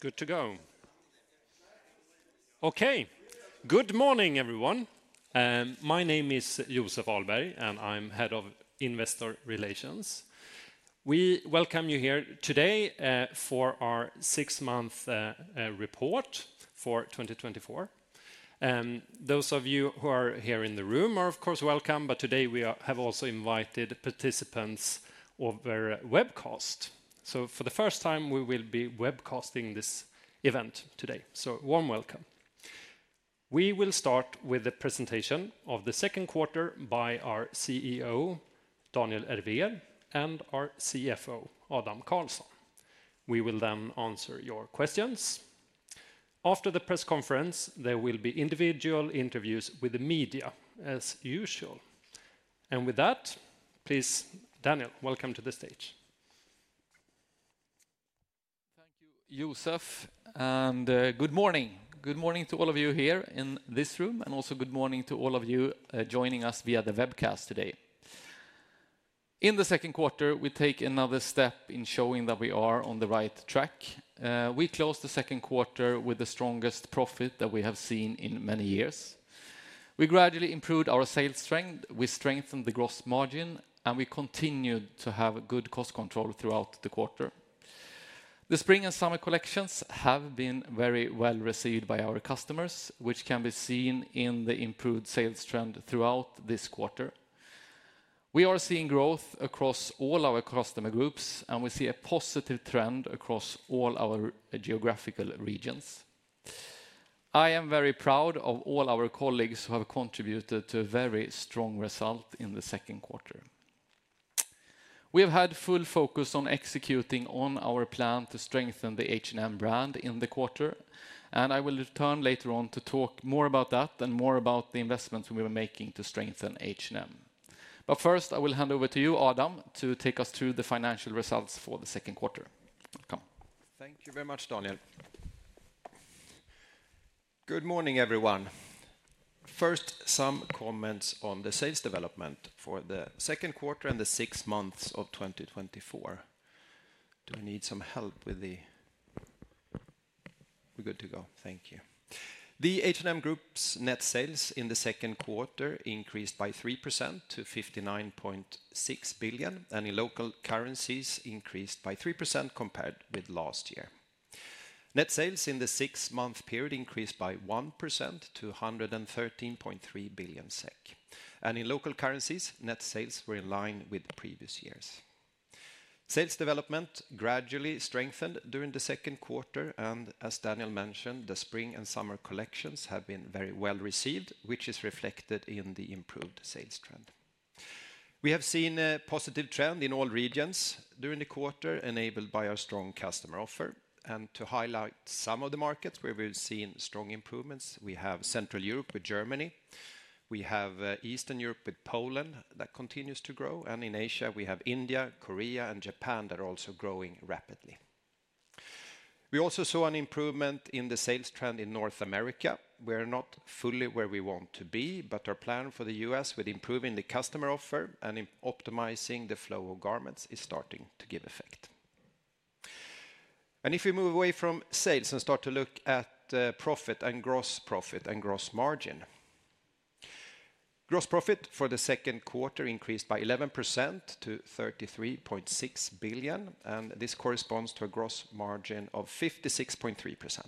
Good to go. Okay, good morning, everyone. My name is Josef Ahlberg, and I'm Head of Investor Relations. We welcome you here today for our six-month report for 2024. Those of you who are here in the room are, of course, welcome, but today we have also invited participants over webcast. So for the first time, we will be webcasting this event today. So warm welcome. We will start with a presentation of the Q2 by our CEO, Daniel Ervér, and our CFO, Adam Karlsson. We will then answer your questions. After the press conference, there will be individual interviews with the media as usual. And with that, please, Daniel, welcome to the stage. Thank you, Josef, and good morning. Good morning to all of you here in this room, and also good morning to all of you joining us via the webcast today. In the Q2, we take another step in showing that we are on the right track. We closed the Q2 with the strongest profit that we have seen in many years. We gradually improved our sales strength, we strengthened the gross margin, and we continued to have good cost control throughout the quarter. The spring and summer collections have been very well received by our customers, which can be seen in the improved sales trend throughout this quarter. We are seeing growth across all our customer groups, and we see a positive trend across all our geographical regions. I am very proud of all our colleagues who have contributed to a very strong result in the Q2. We have had full focus on executing on our plan to strengthen the H&M brand in the quarter, and I will return later on to talk more about that and more about the investments we were making to strengthen H&M. But first, I will hand over to you, Adam, to take us through the financial results for the Q2. Welcome. Thank you very much, Daniel. Good morning, everyone. First, some comments on the sales development for the Q2 and the six months of 2024. Do I need some help with the... We're good to go. Thank you. The H&M Group's net sales in the Q2 increased by 3% to 59.6 billion, and in local currencies, increased by 3% compared with last year. Net sales in the six-month period increased by 1% to 113.3 billion SEK, and in local currencies, net sales were in line with the previous years. Sales development gradually strengthened during the Q2, and as Daniel mentioned, the spring and summer collections have been very well received, which is reflected in the improved sales trend. We have seen a positive trend in all regions during the quarter, enabled by our strong customer offer. To highlight some of the markets where we've seen strong improvements, we have Central Europe with Germany, we have Eastern Europe with Poland, that continues to grow, and in Asia, we have India, Korea, and Japan that are also growing rapidly. We also saw an improvement in the sales trend in North America. We are not fully where we want to be, but our plan for the US with improving the customer offer and optimizing the flow of garments is starting to give effect. If we move away from sales and start to look at profit and gross profit and gross margin. Gross profit for the Q2 increased by 11% to 33.6 billion, and this corresponds to a gross margin of 56.3%.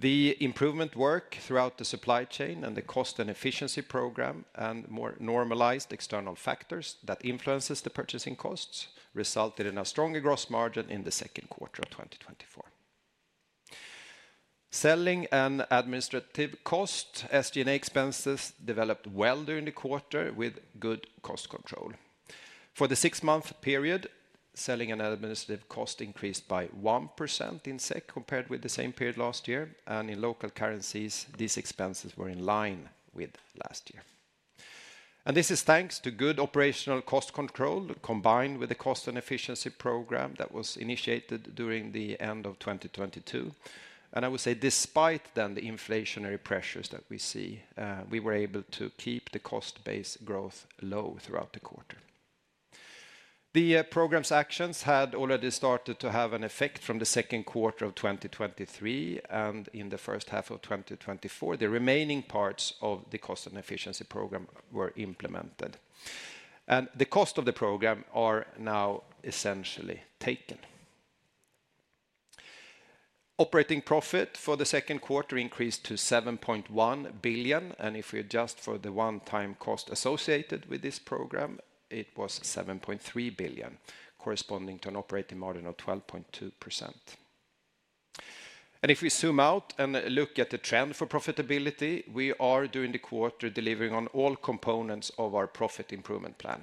The improvement work throughout the supply chain and the cost and efficiency program, and more normalized external factors that influences the purchasing costs, resulted in a stronger gross margin in the Q2 of 2024. Selling and administrative cost, SG&A expenses, developed well during the quarter with good cost control. For the six-month period, selling and administrative cost increased by 1% in SEK compared with the same period last year, and in local currencies, these expenses were in line with last year. This is thanks to good operational cost control, combined with the cost and efficiency program that was initiated during the end of 2022. I would say despite then the inflationary pressures that we see, we were able to keep the cost base growth low throughout the quarter. The program's actions had already started to have an effect from the Q2 of 2023, and in the first half of 2024, the remaining parts of the cost and efficiency program were implemented, and the cost of the program are now essentially taken. Operating profit for the Q2 increased to 7.1 billion, and if we adjust for the one-time cost associated with this program, it was 7.3 billion, corresponding to an operating margin of 12.2%. If we zoom out and look at the trend for profitability, we are, during the quarter, delivering on all components of our profit improvement plan.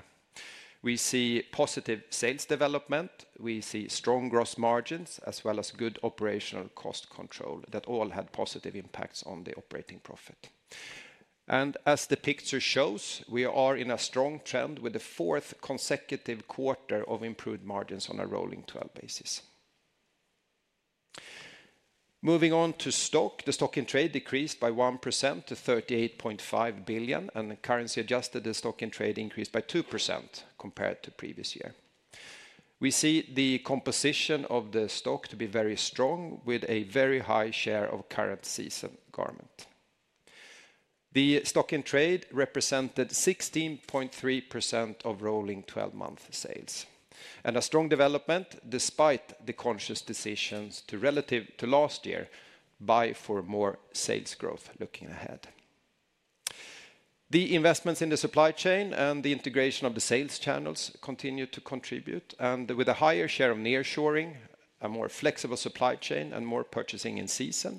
We see positive sales development, we see strong gross margins, as well as good operational cost control that all had positive impacts on the operating profit. As the picture shows, we are in a strong trend with the fourth consecutive quarter of improved margins on a rolling twelve basis. Moving on to stock. The stock in trade decreased by 1% to SEK 38.5 billion, and currency adjusted, the stock in trade increased by 2% compared to previous year. We see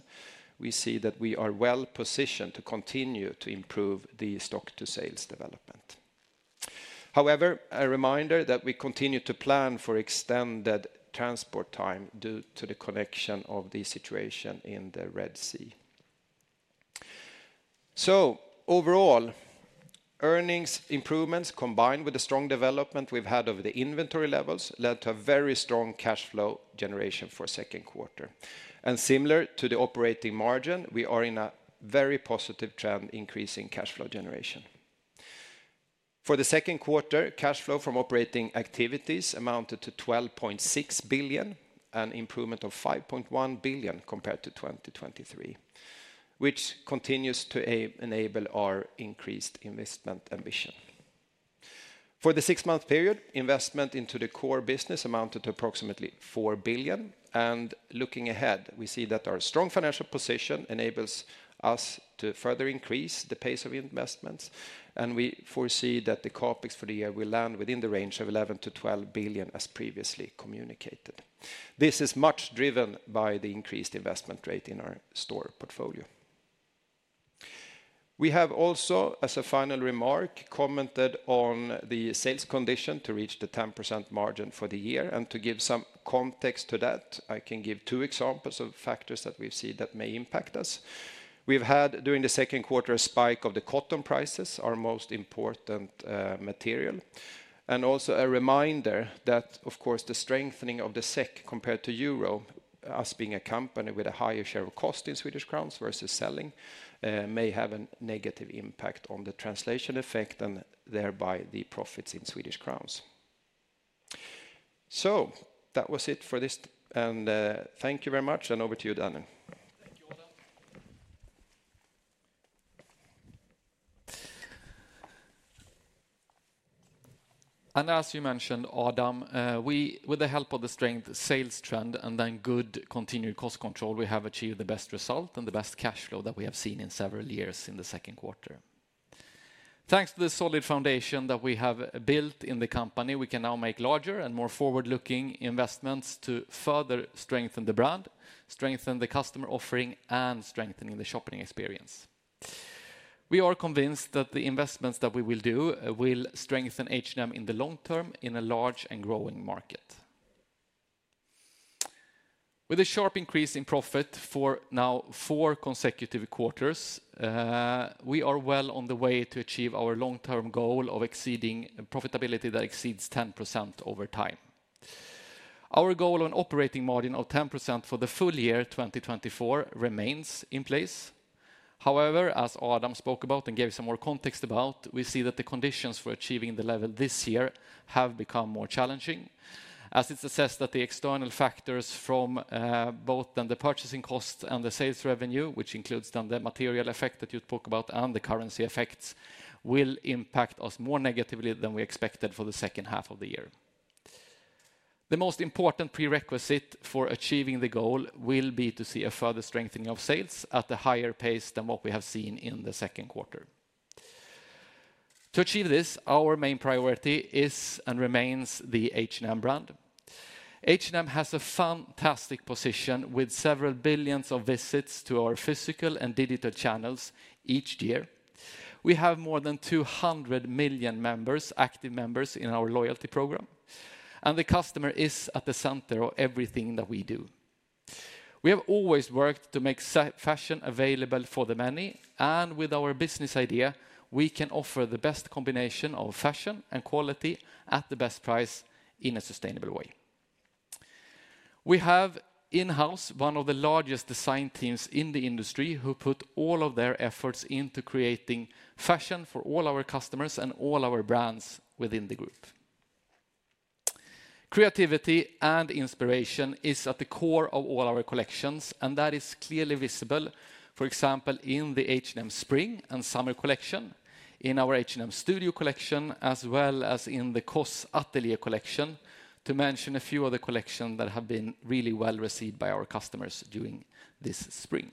earnings improvements, combined with the strong development we've had over the inventory levels, led to a very strong cash flow generation for Q2. And similar to the operating margin, we are in a very positive trend, increasing cash flow generation. For the Q2, cash flow from operating activities amounted to 12.6 billion, an improvement of 5.1 billion compared to 2023, which continues to enable our increased investment ambition. For the six-month period, investment into the core business amounted to approximately 4 billion, and looking ahead, we see that our strong financial position enables us to further increase the pace of investments, and we foresee that the CapEx for the year will land within the range of 11 billion-12 billion, as previously communicated. This is much driven by the increased investment rate in our store portfolio. We have also, as a final remark, commented on the sales condition to reach the 10% margin for the year. To give some context to that, I can give two examples of factors that we've seen that may impact us. We've had, during the Q2, a spike of the cotton prices, our most important material, and also a reminder that, of course, the strengthening of the SEK compared to euro, us being a company with a higher share of cost in Swedish crowns versus selling, may have a negative impact on the translation effect and thereby the profits in Swedish crowns. So that was it for this, and thank you very much, and over to you, Daniel. Thank you, Adam. As you mentioned, Adam, we, with the help of the strong sales trend and then good continued cost control, we have achieved the best result and the best cash flow that we have seen in several years in the Q2. Thanks to the solid foundation that we have built in the company, we can now make larger and more forward-looking investments to further strengthen the brand, strengthen the customer offering, and strengthening the shopping experience. We are convinced that the investments that we will do will strengthen H&M in the long term in a large and growing market. With a sharp increase in profit for now four consecutive quarters, we are well on the way to achieve our long-term goal of exceeding profitability that exceeds 10% over time. Our goal on operating margin of 10% for the full year 2024 remains in place. However, as Adam spoke about and gave some more context about, we see that the conditions for achieving the level this year have become more challenging, as it's assessed that the external factors from both on the purchasing cost and the sales revenue, which includes then the material effect that you talk about and the currency effects, will impact us more negatively than we expected for the second half of the year. The most important prerequisite for achieving the goal will be to see a further strengthening of sales at a higher pace than what we have seen in the Q2. To achieve this, our main priority is and remains the H&M brand. H&M has a fantastic position with several billions of visits to our physical and digital channels each year. We have more than 200 million members, active members in our loyalty program, and the customer is at the center of everything that we do. We have always worked to make fashion available for the many, and with our business idea, we can offer the best combination of fashion and quality at the best price in a sustainable way. We have in-house one of the largest design teams in the industry, who put all of their efforts into creating fashion for all our customers and all our brands within the group. Creativity and inspiration is at the core of all our collections, and that is clearly visible. For example, in the H&M Spring and Summer collection, in our H&M Studio collection, as well as in the COS Atelier collection, to mention a few of the collection that have been really well received by our customers during this spring.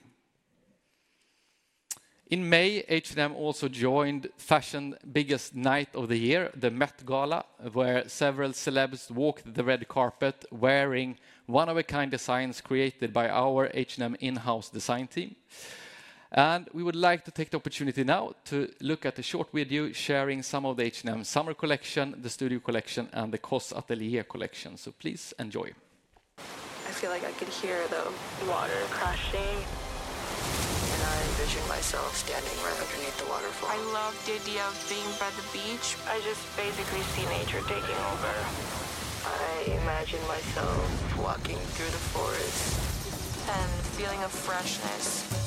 In May, H&M also joined fashion's biggest night of the year, the Met Gala, where several celebs walked the red carpet wearing one-of-a-kind designs created by our H&M in-house design team. We would like to take the opportunity now to look at a short video sharing some of the H&M summer collection, the Studio collection, and the COS Atelier collection. Please enjoy. I feel like I can hear the water crashing- ... myself standing right underneath the waterfall. I love the idea of being by the beach. I just basically see nature taking over. I imagine myself walking through the forest. The feeling of freshness.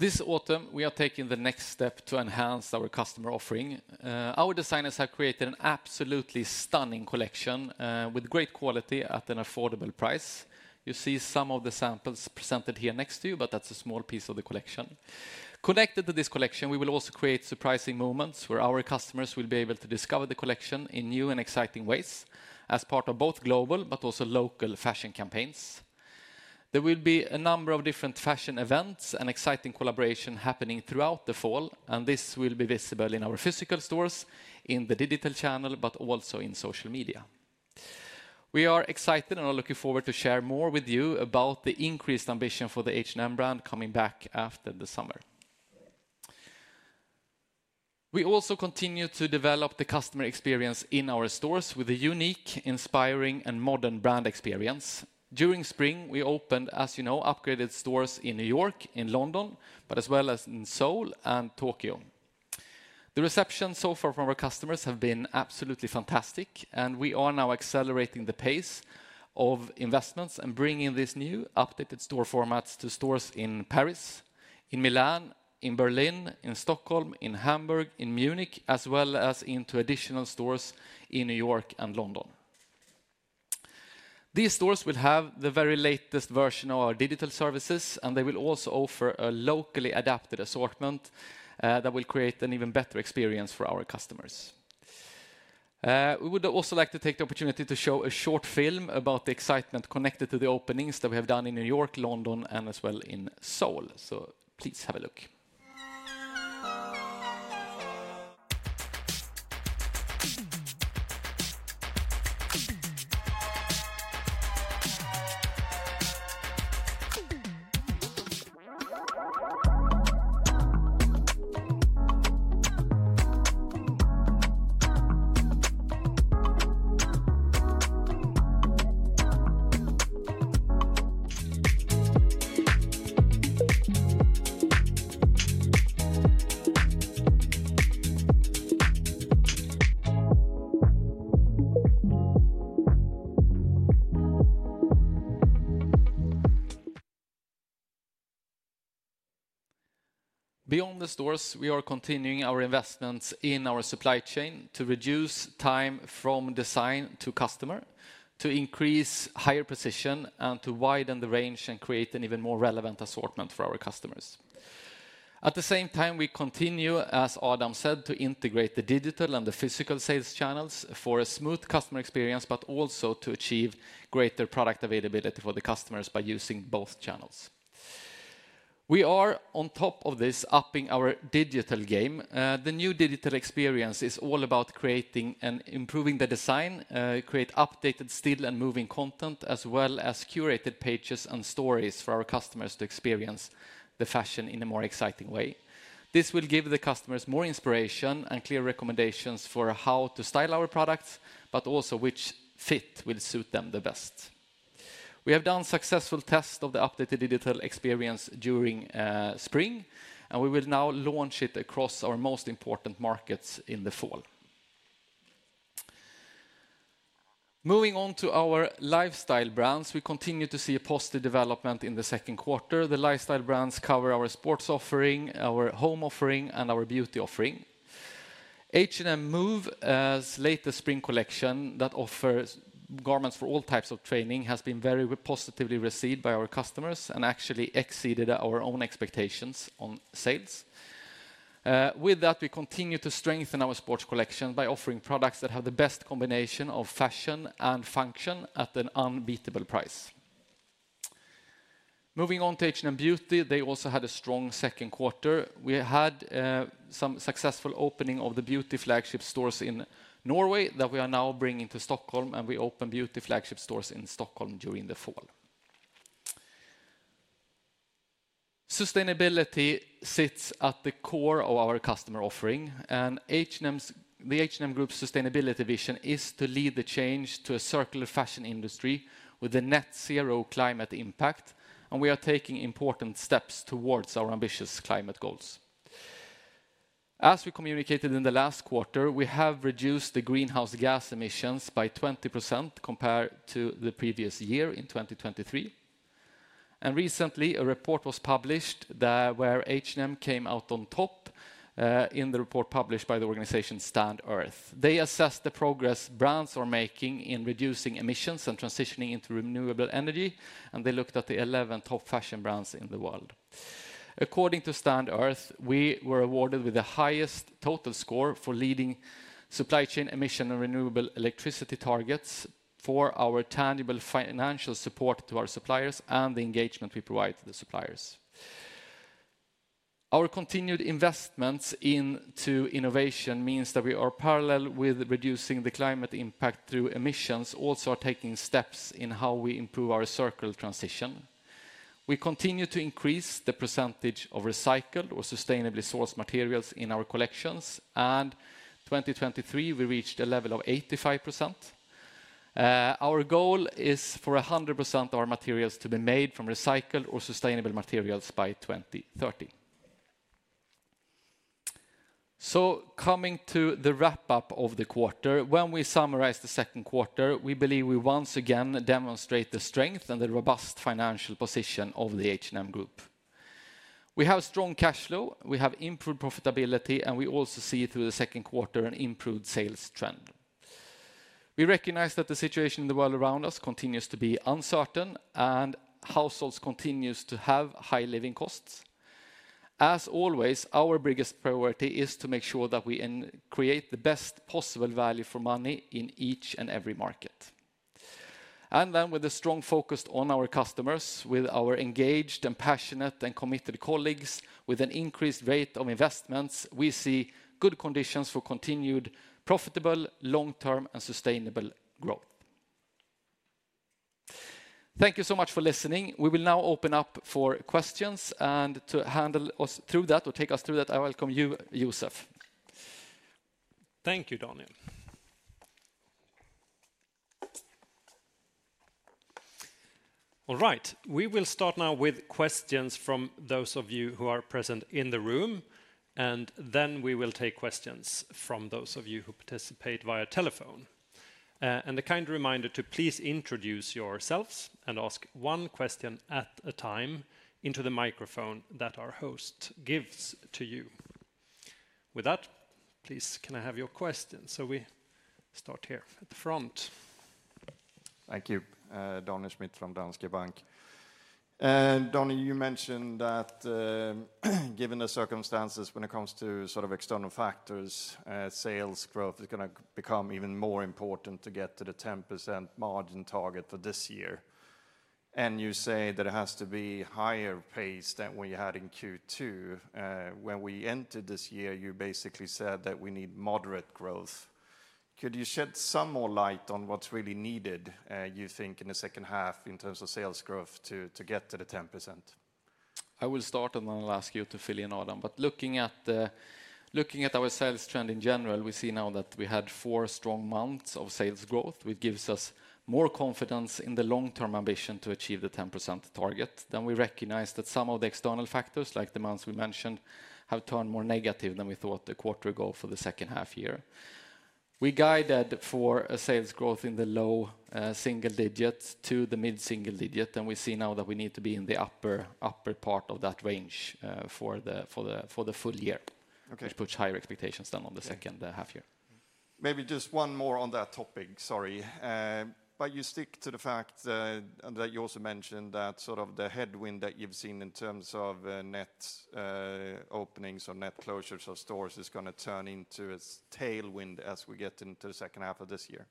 This autumn, we are taking the next step to enhance our customer offering. Our designers have created an absolutely stunning collection, with great quality at an affordable price. You see some of the samples presented here next to you, but that's a small piece of the collection. Connected to this collection, we will also create surprising moments, where our customers will be able to discover the collection in new and exciting ways as part of both global but also local fashion campaigns. There will be a number of different fashion events and exciting collaboration happening throughout the fall, and this will be visible in our physical stores, in the digital channel, but also in social media. We are excited and are looking forward to share more with you about the increased ambition for the H&M brand coming back after the summer. We also continue to develop the customer experience in our stores with a unique, inspiring, and modern brand experience. During spring, we opened, as you know, upgraded stores in New York, in London, but as well as in Seoul and Tokyo. The reception so far from our customers have been absolutely fantastic, and we are now accelerating the pace of investments and bringing this new, updated store formats to stores in Paris, in Milan, in Berlin, in Stockholm, in Hamburg, in Munich, as well as into additional stores in New York and London. These stores will have the very latest version of our digital services, and they will also offer a locally adapted assortment, that will create an even better experience for our customers. We would also like to take the opportunity to show a short film about the excitement connected to the openings that we have done in New York, London, and as well in Seoul. Please have a look. Beyond the stores, we are continuing our investments in our supply chain to reduce time from design to customer, to increase higher precision, and to widen the range and create an even more relevant assortment for our customers. At the same time, we continue, as Adam said, to integrate the digital and the physical sales channels for a smooth customer experience, but also to achieve greater product availability for the customers by using both channels. We are, on top of this, upping our digital game. The new digital experience is all about creating and improving the design, create updated still and moving content, as well as curated pages and stories for our customers to experience the fashion in a more exciting way. This will give the customers more inspiration and clear recommendations for how to style our products, but also which fit will suit them the best. We have done successful tests of the updated digital experience during spring, and we will now launch it across our most important markets in the fall. Moving on to our lifestyle brands, we continue to see a positive development in the Q2. The lifestyle brands cover our sports offering, our home offering, and our beauty offering. H&M Move, latest spring collection that offers garments for all types of training, has been very positively received by our customers and actually exceeded our own expectations on sales. With that, we continue to strengthen our sports collection by offering products that have the best combination of fashion and function at an unbeatable price. Moving on to H&M Beauty, they also had a strong Q2. We had some successful opening of the beauty flagship stores in Norway that we are now bringing to Stockholm, and we open beauty flagship stores in Stockholm during the fall. Sustainability sits at the core of our customer offering, and H&M's, the H&M Group's sustainability vision is to lead the change to a circular fashion industry with a net zero climate impact, and we are taking important steps towards our ambitious climate goals. As we communicated in the last quarter, we have reduced the greenhouse gas emissions by 20% compared to the previous year in 2023. Recently, a report was published where H&M came out on top in the report published by the organization Stand.earth. They assessed the progress brands are making in reducing emissions and transitioning into renewable energy, and they looked at the 11 top fashion brands in the world. According to Stand.earth, we were awarded with the highest total score for leading supply chain emission and renewable electricity targets for our tangible financial support to our suppliers and the engagement we provide to the suppliers. Our continued investments into innovation means that we are parallel with reducing the climate impact through emissions, also are taking steps in how we improve our circular transition. We continue to increase the percentage of recycled or sustainably sourced materials in our collections, and 2023, we reached a level of 85%. Our goal is for 100% of our materials to be made from recycled or sustainable materials by 2030. So coming to the wrap-up of the quarter, when we summarize the Q2, we believe we once again demonstrate the strength and the robust financial position of the H&M Group. We have strong cash flow, we have improved profitability, and we also see through the Q2 an improved sales trend. We recognize that the situation in the world around us continues to be uncertain, and households continues to have high living costs. As always, our biggest priority is to make sure that we create the best possible value for money in each and every market. And then with a strong focus on our customers, with our engaged and passionate and committed colleagues, with an increased rate of investments, we see good conditions for continued profitable, long-term, and sustainable growth. Thank you so much for listening. We will now open up for questions, and to handle us through that, or take us through that, I welcome you, Josef. Thank you, Daniel. All right, we will start now with questions from those of you who are present in the room, and then we will take questions from those of you who participate via telephone. And a kind reminder to please introduce yourselves and ask one question at a time into the microphone that our host gives to you. With that, please, can I have your question? So we start here at the front. Thank you. Daniel Schmidt from Danske Bank. Daniel, you mentioned that, given the circumstances when it comes to sort of external factors, sales growth is gonna become even more important to get to the 10% margin target for this year. And you say that it has to be higher pace than we had in Q2. When we entered this year, you basically said that we need moderate growth. Could you shed some more light on what's really needed, you think, in the second half in terms of sales growth to get to the 10%? I will start, and then I'll ask you to fill in, Adam. But looking at our sales trend in general, we see now that we had four strong months of sales growth, which gives us more confidence in the long-term ambition to achieve the 10% target. Then we recognize that some of the external factors, like the months we mentioned, have turned more negative than we thought a quarter ago for the second half year. We guided for a sales growth in the low single digits to the mid-single digit, and we see now that we need to be in the upper, upper part of that range, for the, for the, for the full year. Okay. Which puts higher expectations than on the second half year. Maybe just one more on that topic, sorry. But you stick to the fact, and that you also mentioned that sort of the headwind that you've seen in terms of, net, openings or net closures of stores is gonna turn into a tailwind as we get into the second half of this year.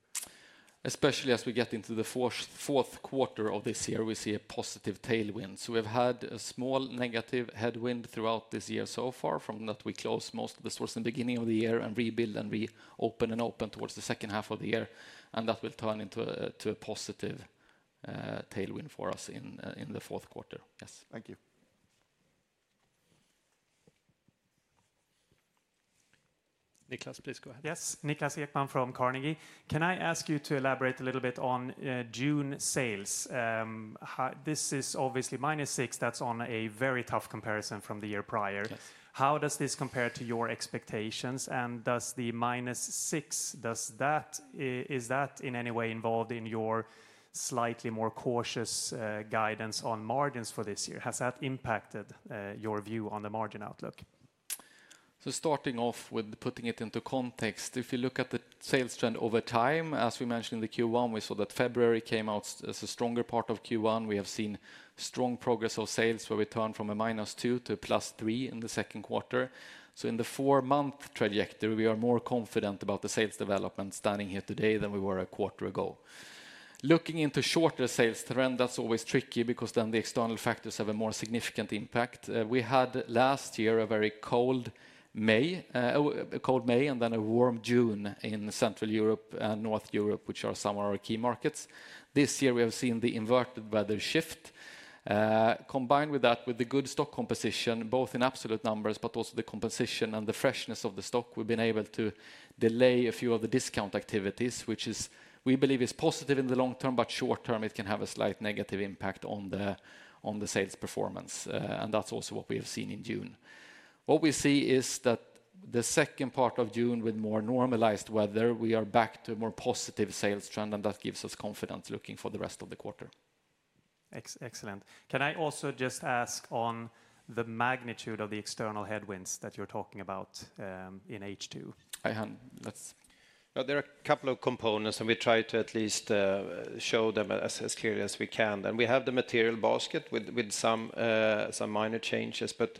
Especially as we get into the fourth, Q4 of this year, we see a positive tailwind. So we've had a small negative headwind throughout this year so far, from that we closed most of the stores in the beginning of the year and rebuild and reopen and open towards the second half of the year, and that will turn into a to a positive tailwind for us in in the Q4. Yes. Thank you. Niklas, please go ahead. Yes. Niklas Ekman from Carnegie. Can I ask you to elaborate a little bit on June sales? Hi, this is obviously -6%. That's on a very tough comparison from the year prior. Yes. How does this compare to your expectations? And does the -6, does that, is that in any way involved in your slightly more cautious guidance on margins for this year? Has that impacted your view on the margin outlook? Starting off with putting it into context, if you look at the sales trend over time, as we mentioned in the Q1, we saw that February came out as a stronger part of Q1. We have seen strong progress of sales, where we turned from a -2% to a +3% in the Q2. So in the four-month trajectory, we are more confident about the sales development standing here today than we were a quarter ago. Looking into shorter sales trend, that's always tricky because then the external factors have a more significant impact. We had last year, a very cold May, a cold May, and then a warm June in Central Europe and North Europe, which are some of our key markets. This year, we have seen the inverted weather shift. Combined with that, with the good stock composition, both in absolute numbers, but also the composition and the freshness of the stock, we've been able to delay a few of the discount activities, which is... We believe is positive in the long term, but short term, it can have a slight negative impact on the, on the sales performance, and that's also what we have seen in June. What we see is that the second part of June, with more normalized weather, we are back to a more positive sales trend, and that gives us confidence looking for the rest of the quarter. Excellent. Can I also just ask on the magnitude of the external headwinds that you're talking about in H2? I, um, let's-... Well, there are a couple of components, and we try to at least show them as clearly as we can. And we have the material basket with some minor changes. But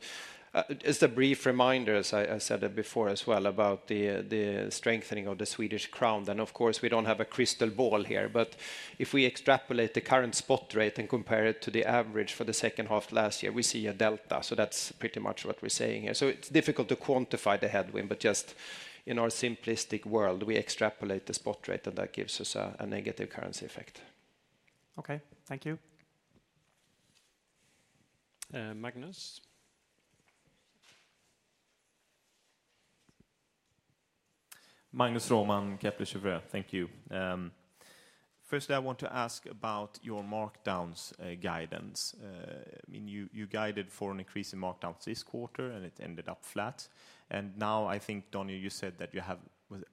as a brief reminder, as I said it before as well, about the strengthening of the Swedish krona. Then, of course, we don't have a crystal ball here, but if we extrapolate the current spot rate and compare it to the average for the second half last year, we see a delta. So that's pretty much what we're saying here. So it's difficult to quantify the headwind, but just in our simplistic world, we extrapolate the spot rate, and that gives us a negative currency effect. Okay, thank you. Uh, Magnus? Magnus Raman, Kepler Cheuvreux. Thank you. Firstly, I want to ask about your markdowns guidance. I mean, you, you guided for an increase in markdowns this quarter, and it ended up flat. And now I think, Daniel, you said that you have,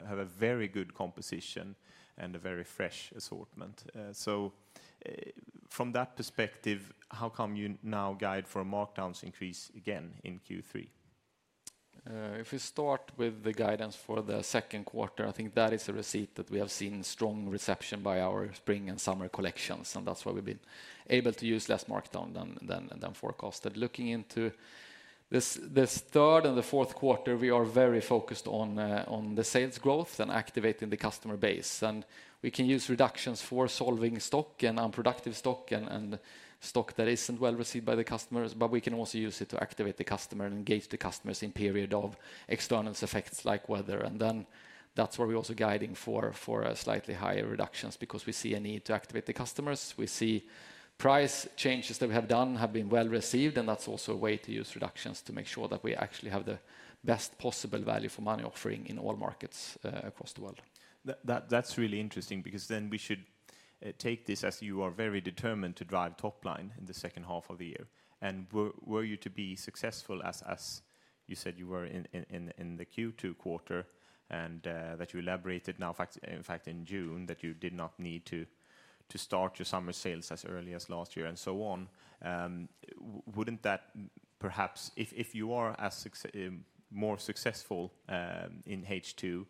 have a very good composition and a very fresh assortment. So, from that perspective, how come you now guide for a markdowns increase again in Q3? If we start with the guidance for the Q2, I think that is a result that we have seen strong reception by our spring and summer collections, and that's why we've been able to use less markdown than forecasted. Looking into the third and the Q4, we are very focused on the sales growth and activating the customer base. And we can use reductions for solving stock and unproductive stock and stock that isn't well received by the customers, but we can also use it to activate the customer and engage the customers in periods of external effects like weather. And then that's where we're also guiding for a slightly higher reductions because we see a need to activate the customers. We see price changes that we have done have been well received, and that's also a way to use reductions to make sure that we actually have the best possible value for money offering in all markets, across the world. That's really interesting, because then we should take this as you are very determined to drive top line in the second half of the year. And were you to be successful, as you said you were in the Q2 quarter, and that you elaborated now, in fact, in June, that you did not need to start your summer sales as early as last year and so on. Wouldn't that perhaps... If you are as successful, more successful, in H2,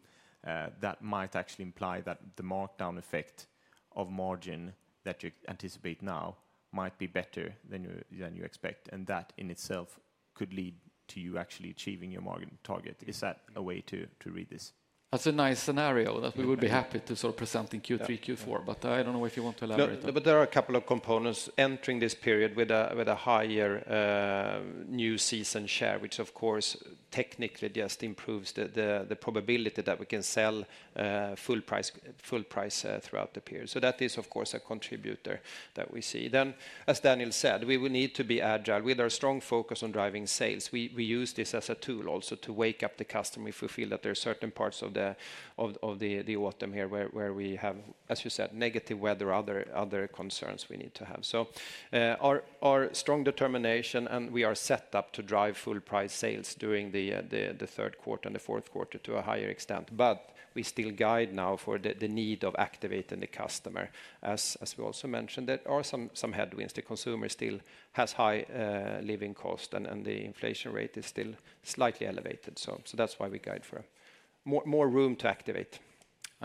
that might actually imply that the markdown effect of margin that you anticipate now might be better than you expect, and that in itself could lead to you actually achieving your margin target. Is that a way to read this? That's a nice scenario that we would be happy to sort of present in Q3, Q4, but I don't know if you want to elaborate. But there are a couple of components entering this period with a higher new season share, which of course, technically just improves the probability that we can sell full price full price throughout the period. So that is, of course, a contributor that we see. Then, as Daniel said, we will need to be agile. With our strong focus on driving sales, we use this as a tool also to wake up the customer if we feel that there are certain parts of the autumn here where we have, as you said, negative weather or other concerns we need to have. So, our strong determination, and we are set up to drive full-price sales during the Q3 and the Q4 to a higher extent, but we still guide now for the need of activating the customer. As we also mentioned, there are some headwinds. The consumer still has high cost of living, and the inflation rate is still slightly elevated. So that's why we guide for more room to activate.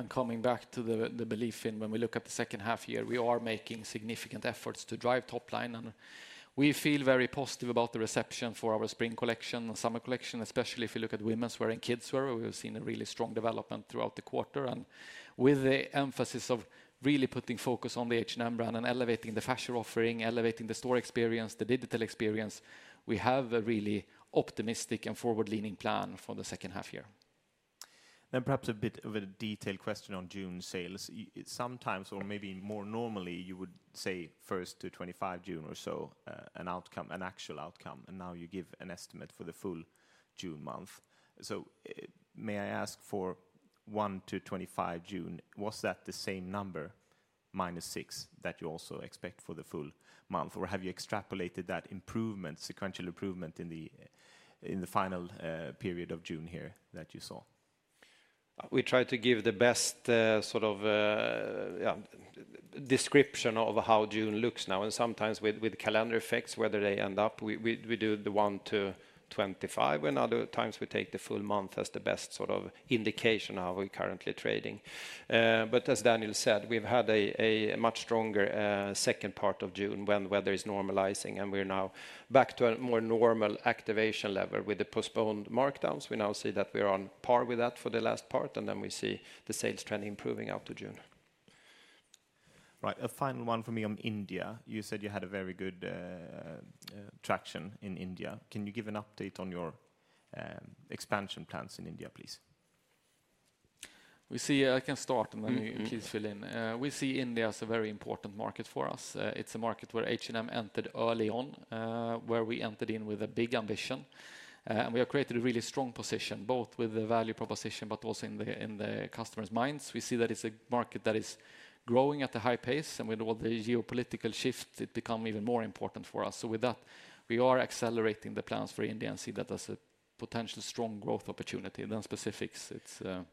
Coming back to the belief in when we look at the second half year, we are making significant efforts to drive top line, and we feel very positive about the reception for our spring collection and summer collection, especially if you look at women's wear and kids' wear, we have seen a really strong development throughout the quarter. With the emphasis of really putting focus on the H&M brand and elevating the fashion offering, elevating the store experience, the digital experience, we have a really optimistic and forward-leaning plan for the second half year. Perhaps a bit of a detailed question on June sales. Sometimes, or maybe more normally, you would say 1 to 25 June or so, an outcome, an actual outcome, and now you give an estimate for the full June month. So, may I ask for 1 to 25 June, was that the same number, -6, that you also expect for the full month, or have you extrapolated that improvement, sequential improvement, in the final period of June here that you saw? We try to give the best, sort of, yeah, description of how June looks now, and sometimes with calendar effects, whether they end up, we do the 1-25, and other times we take the full month as the best sort of indication of how we're currently trading. But as Daniel said, we've had a much stronger second part of June when weather is normalizing, and we're now back to a more normal activation level. With the postponed markdowns, we now see that we're on par with that for the last part, and then we see the sales trend improving out to June. Right. A final one for me on India. You said you had a very good traction in India. Can you give an update on your expansion plans in India, please? We see... I can start,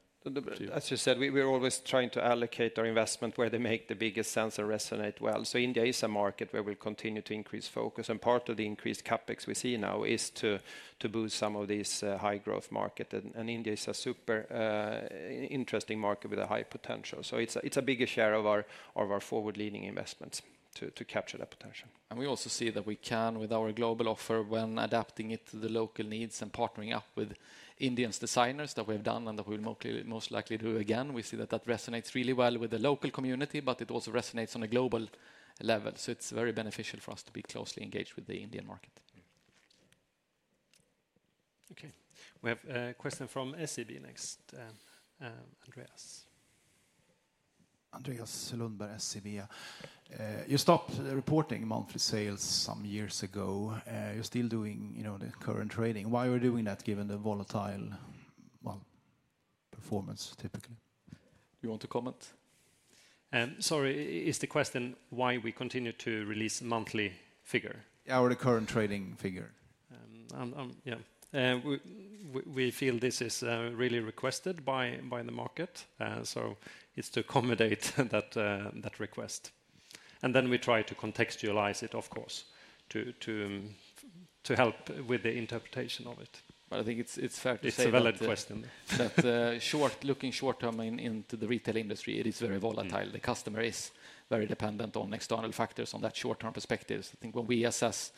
to capture that potential. We also see that we can, with our global offer, when adapting it to the local needs and partnering up with Indian designers, that we've done and that we'll most likely do again, we see that that resonates really well with the local community, but it also resonates on a global level. So it's very beneficial for us to be closely engaged with the Indian market. Okay, we have a question from SEB next. Andreas. Andreas Lundberg, SEB. You stopped reporting monthly sales some years ago. You're still doing, you know, the current trading. Why are we doing that, given the volatile, well, performance, typically? You want to comment? Sorry, is the question why we continue to release monthly figure? Yeah, or the current trading figure. Yeah. We feel this is really requested by the market. So it's to accommodate that request. And then we try to contextualize it, of course, to help with the interpretation of it. But I think it's fair to say that- It's a valid question. That short term, looking short term into the retail industry, it is very volatile. Mm. The customer is very dependent on external factors on that short-term perspectives. I think when we assess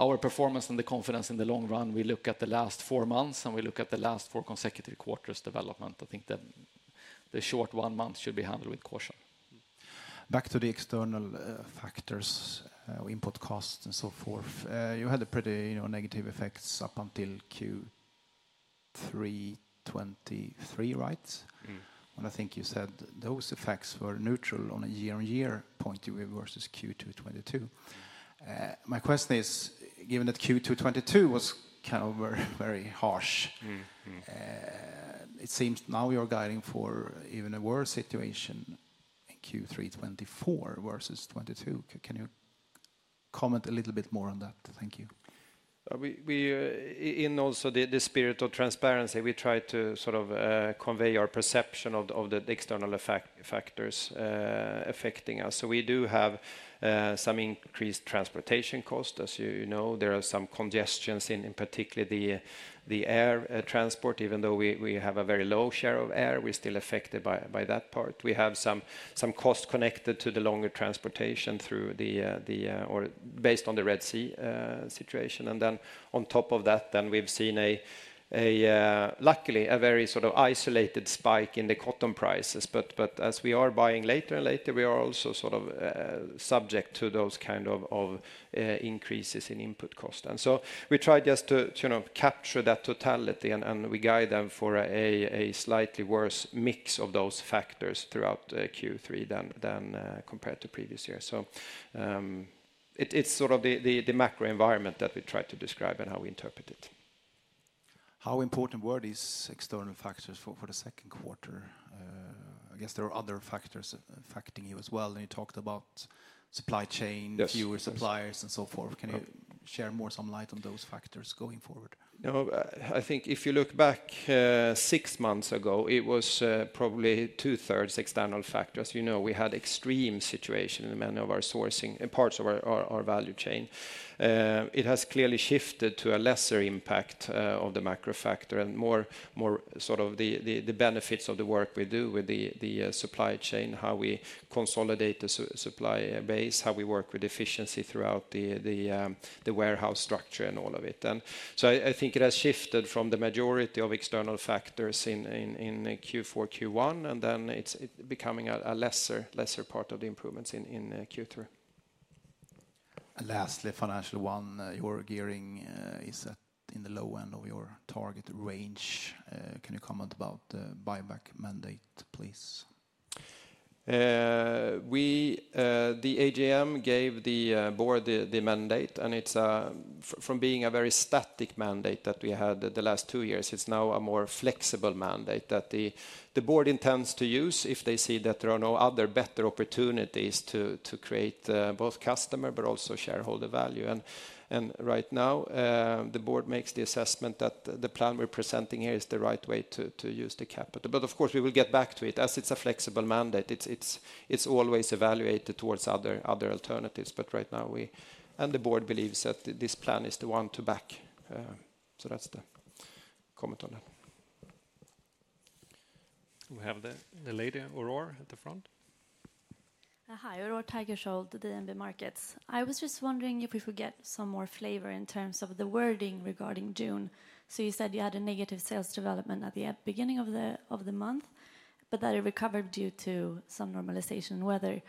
our performance and the confidence in the long run, we look at the last four months, and we look at the last four consecutive quarters' development. I think that the short one month should be handled with caution. Back to the external, factors, input costs and so forth. You had a pretty, you know, negative effects up until Q3 2023, right? Mm. I think you said those effects were neutral on a year-on-year point versus Q2 2022. My question is, given that Q2 2022 was kind of very, very harsh- Mm, mm... it seems now you're guiding for even a worse situation in Q3 2024 versus 2022. Can you comment a little bit more on that? Thank you. In the spirit of transparency also, we try to sort of convey our perception of the external factors affecting us. So we do have some increased transportation cost. As you know, there are some congestions in particular the air transport. Even though we have a very low share of air, we're still affected by that part. We have some cost connected to the longer transportation through the, or based on the Red Sea situation. And then on top of that, we've seen a luckily a very sort of isolated spike in the cotton prices. But as we are buying later and later, we are also sort of subject to those kind of increases in input cost. And so we try just to kind of capture that totality, and we guide them for a slightly worse mix of those factors throughout Q3 than compared to previous years. So, it is sort of the macro environment that we try to describe and how we interpret it. How important were these external factors for the Q2? I guess there are other factors affecting you as well, and you talked about supply chain- Yes... fewer suppliers, and so forth. Yeah. Can you shed some light on those factors going forward? No, I think if you look back, six months ago, it was, probably two-thirds external factors. You know, we had extreme situation in many of our sourcing, in parts of our value chain. It has clearly shifted to a lesser impact of the macro factor and more sort of the benefits of the work we do with the supply chain, how we consolidate the supply base, how we work with efficiency throughout the warehouse structure and all of it. And so I think it has shifted from the majority of external factors in Q4, Q1, and then it's becoming a lesser part of the improvements in Q3. And lastly, financial one, your gearing is at the low end of your target range. Can you comment about the buyback mandate, please? The AGM gave the board the mandate, and it's from being a very static mandate that we had the last two years, it's now a more flexible mandate that the board intends to use if they see that there are no other better opportunities to create both customer but also shareholder value. And right now, the board makes the assessment that the plan we're presenting here is the right way to use the capital. But, of course, we will get back to it. As it's a flexible mandate, it's always evaluated towards other alternatives. But right now, we and the board believes that this plan is the one to back. So that's the comment on that. We have the lady, Aurore, at the front. Hi, Aurore Tigerschiöld, DNB Markets. I was just wondering if we could get some more flavor in terms of the wording regarding June. So you said you had a negative sales development at the beginning of the month, but that it recovered due to some normalization. Whether...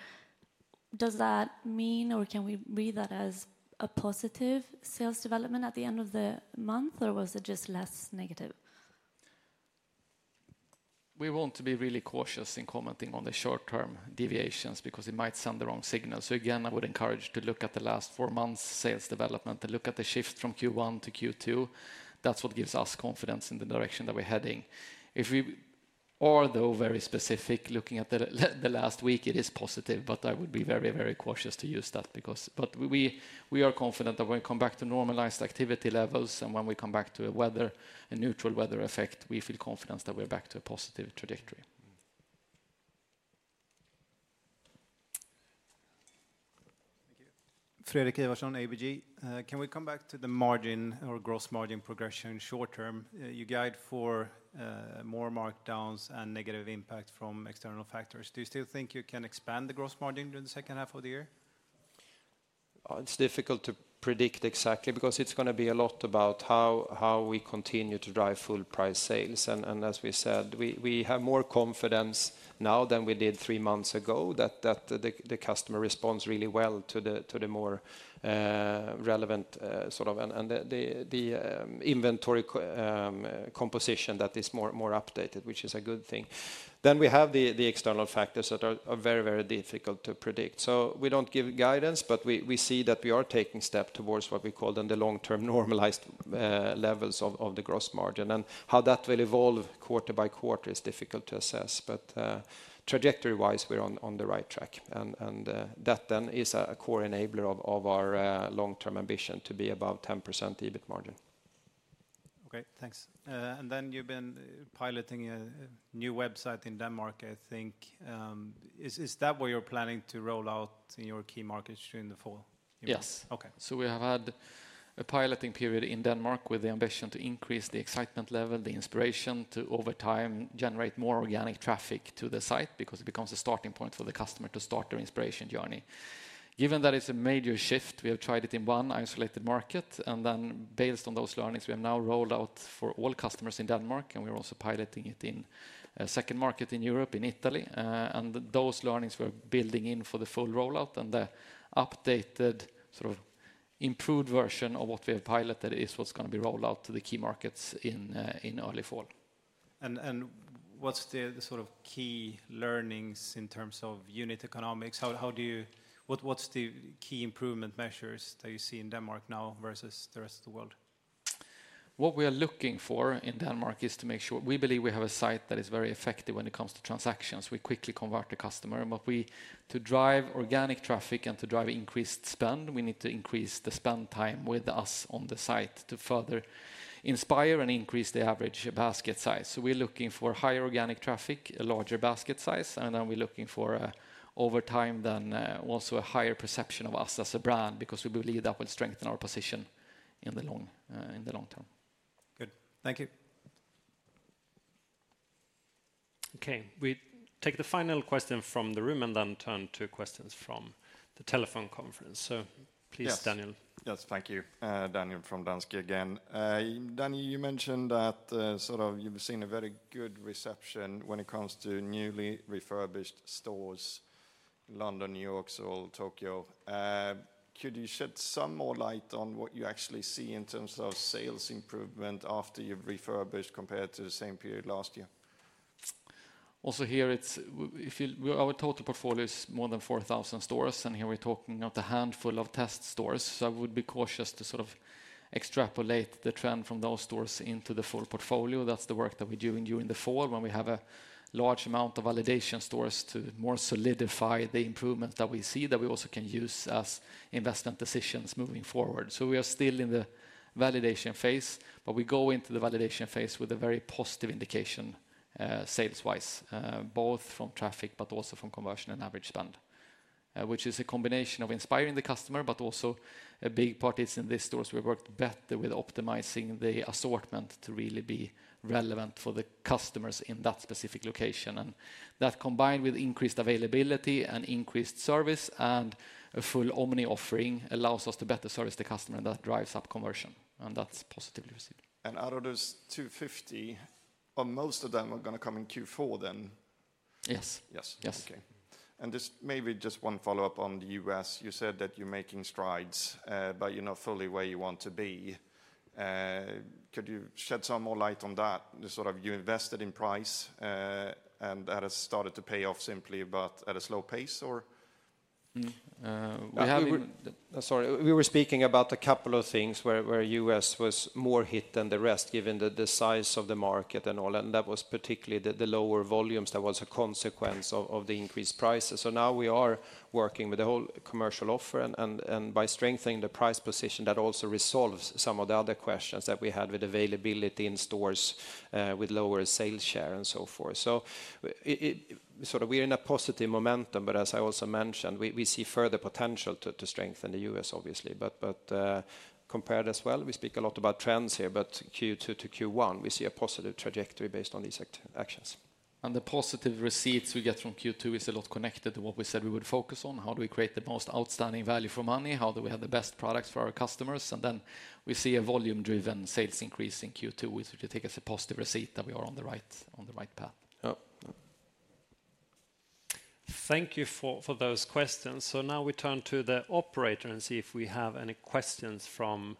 Does that mean, or can we read that as a positive sales development at the end of the month, or was it just less negative? We want to be really cautious in commenting on the short-term deviations because it might send the wrong signal. So again, I would encourage to look at the last four months' sales development and look at the shift from Q1 to Q2. That's what gives us confidence in the direction that we're heading. Although very specific, looking at the last week, it is positive, but I would be very, very cautious to use that because but we are confident that when we come back to normalized activity levels and when we come back to a neutral weather effect, we feel confidence that we are back to a positive trajectory. Thank you. Fredrik Ivarsson, ABG. Can we come back to the margin or gross margin progression short term? You guide for more markdowns and negative impact from external factors. Do you still think you can expand the gross margin during the second half of the year? It's difficult to predict exactly because it's going to be a lot about how we continue to drive full-price sales. And as we said, we have more confidence now than we did three months ago, that the customer responds really well to the more relevant sort of, and the inventory composition that is more updated, which is a good thing. Then we have the external factors that are very difficult to predict. So we don't give guidance, but we see that we are taking step towards what we call in the long term, normalized levels of the gross margin. And how that will evolve quarter by quarter is difficult to assess, but trajectory-wise, we're on the right track. That then is a core enabler of our long-term ambition to be above 10% EBIT margin. Okay, thanks. And then you've been piloting a new website in Denmark, I think. Is that where you're planning to roll out in your key markets during the fall? Yes. Okay. So we have had a piloting period in Denmark with the ambition to increase the excitement level, the inspiration to, over time, generate more organic traffic to the site, because it becomes a starting point for the customer to start their inspiration journey. Given that it's a major shift, we have tried it in one isolated market, and then based on those learnings, we have now rolled out for all customers in Denmark, and we're also piloting it in a second market in Europe, in Italy. And those learnings we're building in for the full rollout and the updated, sort of, improved version of what we have piloted is what's going to be rolled out to the key markets in, in early fall. What's the sort of key learnings in terms of unit economics? How do you... What's the key improvement measures that you see in Denmark now versus the rest of the world? What we are looking for in Denmark is to make sure. We believe we have a site that is very effective when it comes to transactions. We quickly convert the customer, but we, to drive organic traffic and to drive increased spend, we need to increase the spend time with us on the site to further inspire and increase the average basket size. So we're looking for higher organic traffic, a larger basket size, and then we're looking for, over time, then, also a higher perception of us as a brand, because we believe that will strengthen our position in the long, in the long term. Good. Thank you. Okay, we take the final question from the room and then turn to questions from the telephone conference. So please, Daniel. Yes. Yes, thank you. Daniel from Danske again. Danny, you mentioned that, sort of you've seen a very good reception when it comes to newly refurbished stores, London, New York, Seoul, Tokyo. Could you shed some more light on what you actually see in terms of sales improvement after you've refurbished compared to the same period last year? Also here, it's, we, our total portfolio is more than 4,000 stores, and here we're talking about a handful of test stores. So I would be cautious to sort of extrapolate the trend from those stores into the full portfolio. That's the work that we're doing during the fall, when we have a large amount of validation stores to more solidify the improvement that we see, that we also can use as investment decisions moving forward. So we are still in the validation phase, but we go into the validation phase with a very positive indication, sales-wise, both from traffic but also from conversion and average spend. Which is a combination of inspiring the customer, but also a big part is in these stores, we worked better with optimizing the assortment to really be relevant for the customers in that specific location. And that, combined with increased availability and increased service and a full omni offering, allows us to better service the customer, and that drives up conversion, and that's positively received. Out of those 250, most of them are going to come in Q4, then? Yes. Yes. Yes. Okay. And just maybe just one follow-up on the U.S. You said that you're making strides, but you're not fully where you want to be. Could you shed some more light on that? The sort of, you invested in price, and that has started to pay off simply, but at a slow pace, or? Mm-hmm, we have- Sorry. We were speaking about a couple of things where U.S. was more hit than the rest, given the size of the market and all, and that was particularly the lower volumes that was a consequence of the increased prices. So now we are working with the whole commercial offer, and by strengthening the price position, that also resolves some of the other questions that we had with availability in stores, with lower sales share, and so forth. So it sort of we're in a positive momentum, but as I also mentioned, we see further potential to strengthen the U.S., obviously. But compared as well, we speak a lot about trends here, but Q2 to Q1, we see a positive trajectory based on these actions. The positive receipts we get from Q2 is a lot connected to what we said we would focus on. How do we create the most outstanding value for money? How do we have the best products for our customers? And then we see a volume-driven sales increase in Q2, which we take as a positive receipt that we are on the right, on the right path. Yep. Thank you for those questions. So now we turn to the operator and see if we have any questions from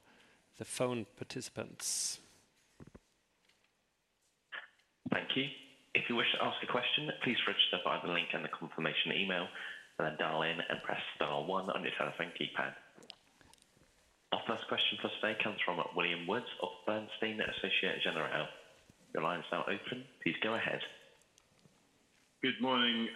the phone participants. Thank you. If you wish to ask a question, please register via the link in the confirmation email, and then dial in and press star one on your telephone keypad. Our first question for today comes from William Woods of Bernstein. Your line is now open. Please go ahead. Good morning.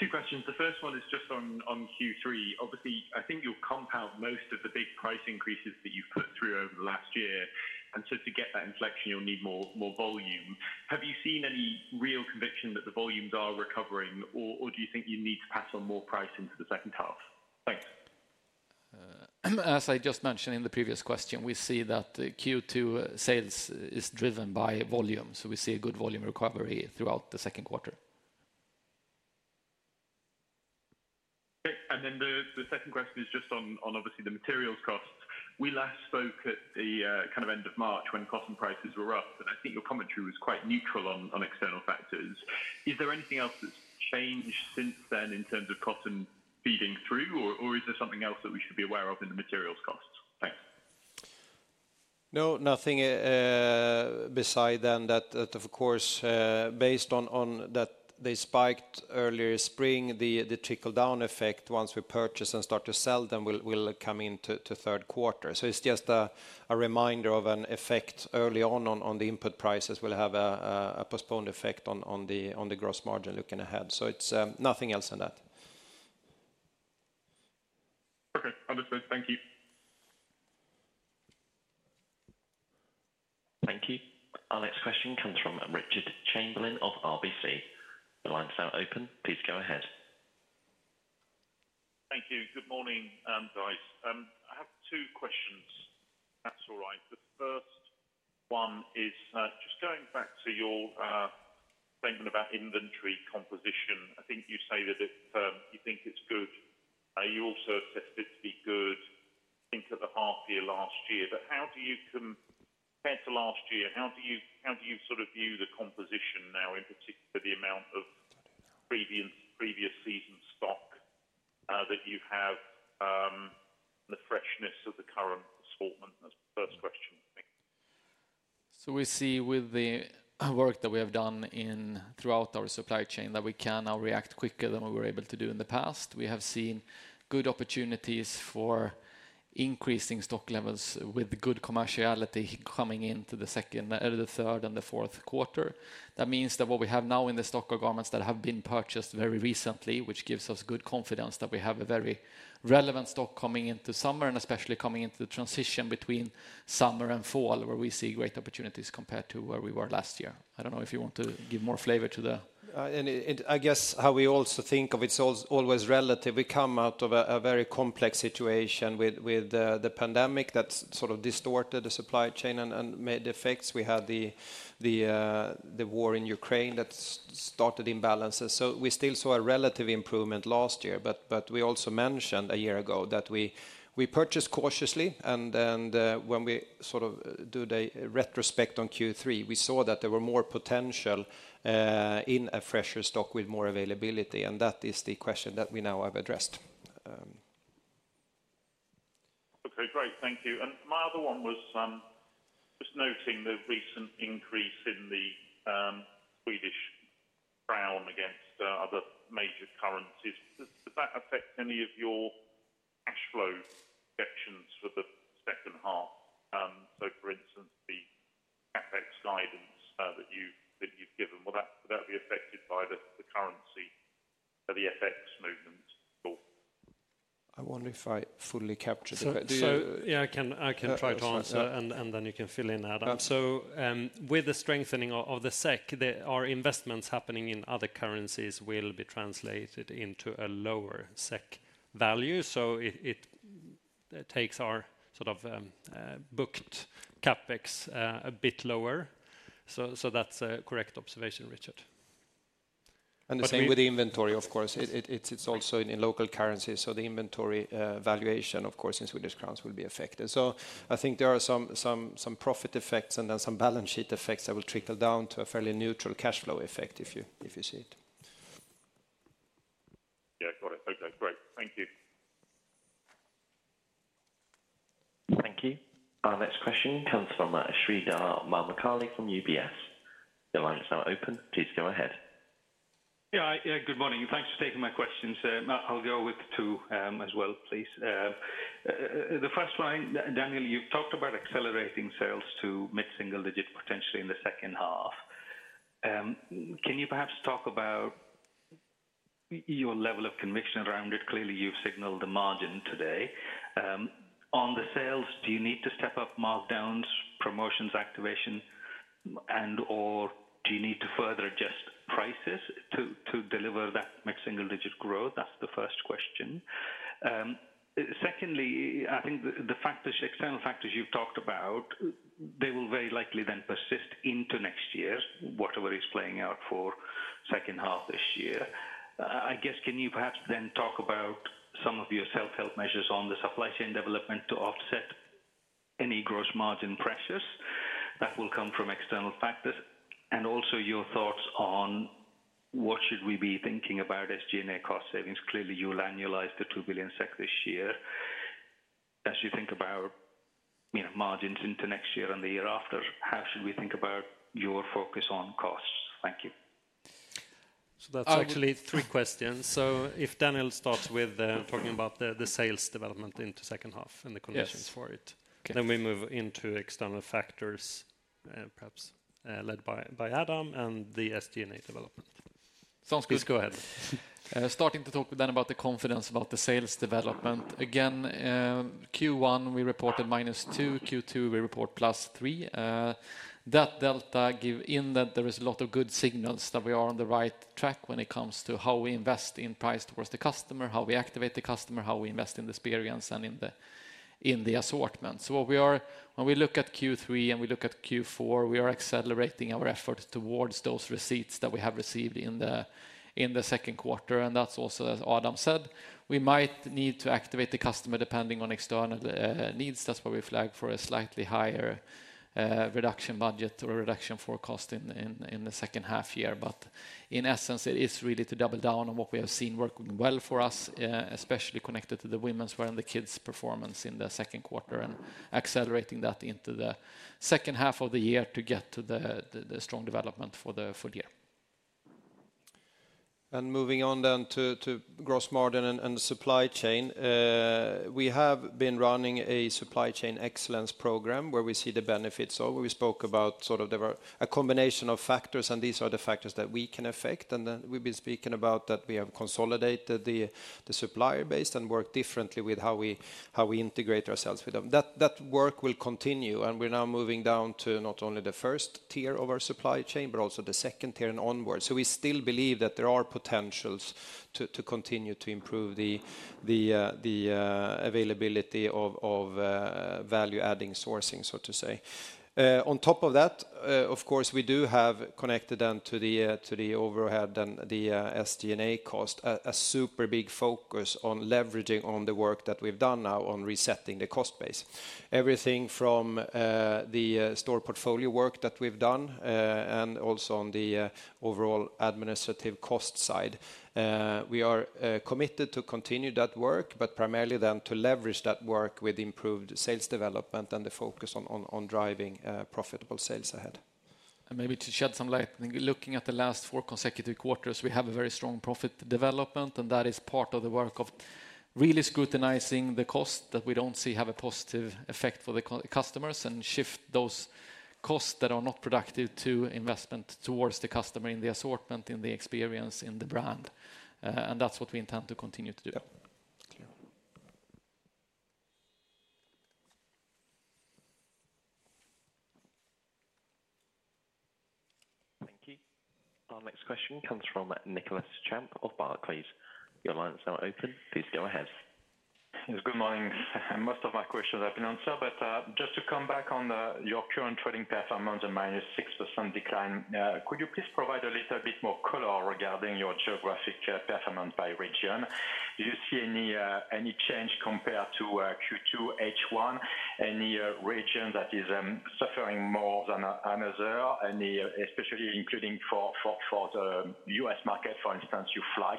Two questions. The first one is just on, on Q3. Obviously, I think you'll compound most of the big price increases that you've put through over the last year, and so to get that inflection, you'll need more, more volume. Have you seen any real conviction that the volumes are recovering, or, or do you think you need to pass on more price into the second half? Thanks. As I just mentioned in the previous question, we see that the Q2 sales is driven by volume, so we see a good volume recovery throughout the Q2. Okay, and then the second question is just on, on obviously, the materials costs. We last spoke at the kind of end of March when cotton prices were up, and I think your commentary was quite neutral on, on external factors. Is there anything else that's changed since then in terms of cotton feeding through, or, or is there something else that we should be aware of in the materials costs? Thanks. No, nothing besides that. That, of course, based on that, they spiked earlier spring. The trickle-down effect, once we purchase and start to sell them, will come into the Q3. So it's just a reminder of an effect early on. The input prices will have a postponed effect on the gross margin looking ahead. So it's nothing else than that. Okay. Understood. Thank you. Thank you. Our next question comes from Richard Chamberlain of RBC. Your line is now open. Please go ahead. Thank you. Good morning, guys. I have two questions, if that's all right. The first one is, just going back to your, statement about inventory composition. I think you say that it, you think it's good. You also assessed it to be good, I think, at the half year last year. But compared to last year, how do you, how do you sort of view the composition now, in particular, the amount of previous, previous season stock, that you have, the freshness of the current assortment? That's the first question, I think. So we see with the work that we have done throughout our supply chain, that we can now react quicker than we were able to do in the past. We have seen good opportunities for increasing stock levels with good commerciality coming into the second, the third and the Q4. That means that what we have now in the stock are garments that have been purchased very recently, which gives us good confidence that we have a very relevant stock coming into summer, and especially coming into the transition between summer and fall, where we see great opportunities compared to where we were last year. I don't know if you want to give more flavor to the and it, and I guess how we also think of it's always relative. We come out of a very complex situation with the pandemic that sort of distorted the supply chain and made effects. We had the war in Ukraine that started imbalances. So we still saw a relative improvement last year, but we also mentioned a year ago that we purchased cautiously, and when we sort of do the retrospect on Q3, we saw that there were more potential in a fresher stock with more availability, and that is the question that we now have addressed. Okay, great. Thank you. And my other one was, just noting the recent increase in the, Swedish krona against, other major currencies. Does, does that affect any of your cash flow projections for the second half? So for instance, the CapEx guidance, that you, that you've given, will that, would that be affected by the, the currency or the FX movement at all? So, yeah, I can try to answer. Yeah. And then you can fill in, Adam. So, with the strengthening of the SEK, there are investments happening in other currencies will be translated into a lower SEK value. So it takes our sort of booked CapEx a bit lower. So that's a correct observation, Richard. And the same with the inventory, of course. It's also in local currency, so the inventory valuation, of course, in Swedish crowns will be affected. So I think there are some profit effects and then some balance sheet effects that will trickle down to a fairly neutral cash flow effect if you see it. Yeah, got it. Okay, great. Thank you. Thank you. Our next question comes from Sreedhar Mahamkali from UBS. Your line is now open. Please go ahead. Yeah, good morning, and thanks for taking my questions. I'll go with two, as well, please. The first one, Daniel, you've talked about accelerating sales to mid-single-digit, potentially in the second half. Can you perhaps talk about your level of conviction around it? Clearly, you've signaled the margin today. On the sales, do you need to step up markdowns, promotions, activation, and/or do you need to further adjust prices to deliver that mid-single-digit growth? That's the first question. Secondly, I think the factors, external factors you've talked about, they will very likely then persist into next year, whatever is playing out for second half this year. I guess, can you perhaps then talk about some of your self-help measures on the supply chain development to offset any gross margin pressures that will come from external factors? And also your thoughts on what should we be thinking about SG&A cost savings. Clearly, you will annualize the 2 billion SEK this year. As you think about, you know, margins into next year and the year after, how should we think about your focus on costs? Thank you. ... So that's actually three questions. So if Daniel starts with, talking about the sales development into second half and the conditions for it. Yes. Then we move into external factors, perhaps, led by Adam, and the SG&A development. Sounds good. Please go ahead. Starting to talk then about the confidence about the sales development. Again, Q1, we reported -2%, Q2, we report +3%. That delta, given that there is a lot of good signals that we are on the right track when it comes to how we invest in price towards the customer, how we activate the customer, how we invest in the experience, and in the assortment. So what we are—when we look at Q3 and we look at Q4, we are accelerating our efforts towards those results that we have received in the Q2, and that's also, as Adam said, we might need to activate the customer depending on external needs. That's why we flagged for a slightly higher reduction budget or a reduction forecast in the second half year. But in essence, it is really to double down on what we have seen working well for us, especially connected to the women's wear and the kids' performance in the Q2, and accelerating that into the second half of the year to get to the strong development for the full year. Moving on then to gross margin and supply chain. We have been running a supply chain excellence program where we see the benefits of, where we spoke about sort of there were a combination of factors, and these are the factors that we can affect. We've been speaking about that we have consolidated the supplier base and work differently with how we integrate ourselves with them. That work will continue, and we're now moving down to not only the first tier of our supply chain, but also the second tier and onwards. So we still believe that there are potentials to continue to improve the availability of value-adding sourcing, so to say. On top of that, of course, we do have connected then to the overhead and the SG&A cost, a super big focus on leveraging on the work that we've done now on resetting the cost base. Everything from the store portfolio work that we've done and also on the overall administrative cost side. We are committed to continue that work, but primarily then to leverage that work with improved sales development and the focus on driving profitable sales ahead. Maybe to shed some light, looking at the last four consecutive quarters, we have a very strong profit development, and that is part of the work of really scrutinizing the cost that we don't see have a positive effect for the customers, and shift those costs that are not productive to investment towards the customer in the assortment, in the experience, in the brand. And that's what we intend to continue to do. Yep. Clear. Thank you. Our next question comes from Nicolas Champ of Barclays. Your line is now open. Please go ahead. Yes, good morning. Most of my questions have been answered, but just to come back on your current trading performance and minus 6% decline, could you please provide a little bit more color regarding your geographic performance by region? Do you see any any change compared to Q2, H1? Any region that is suffering more than another? Any, especially including for the US market, for instance, you flag,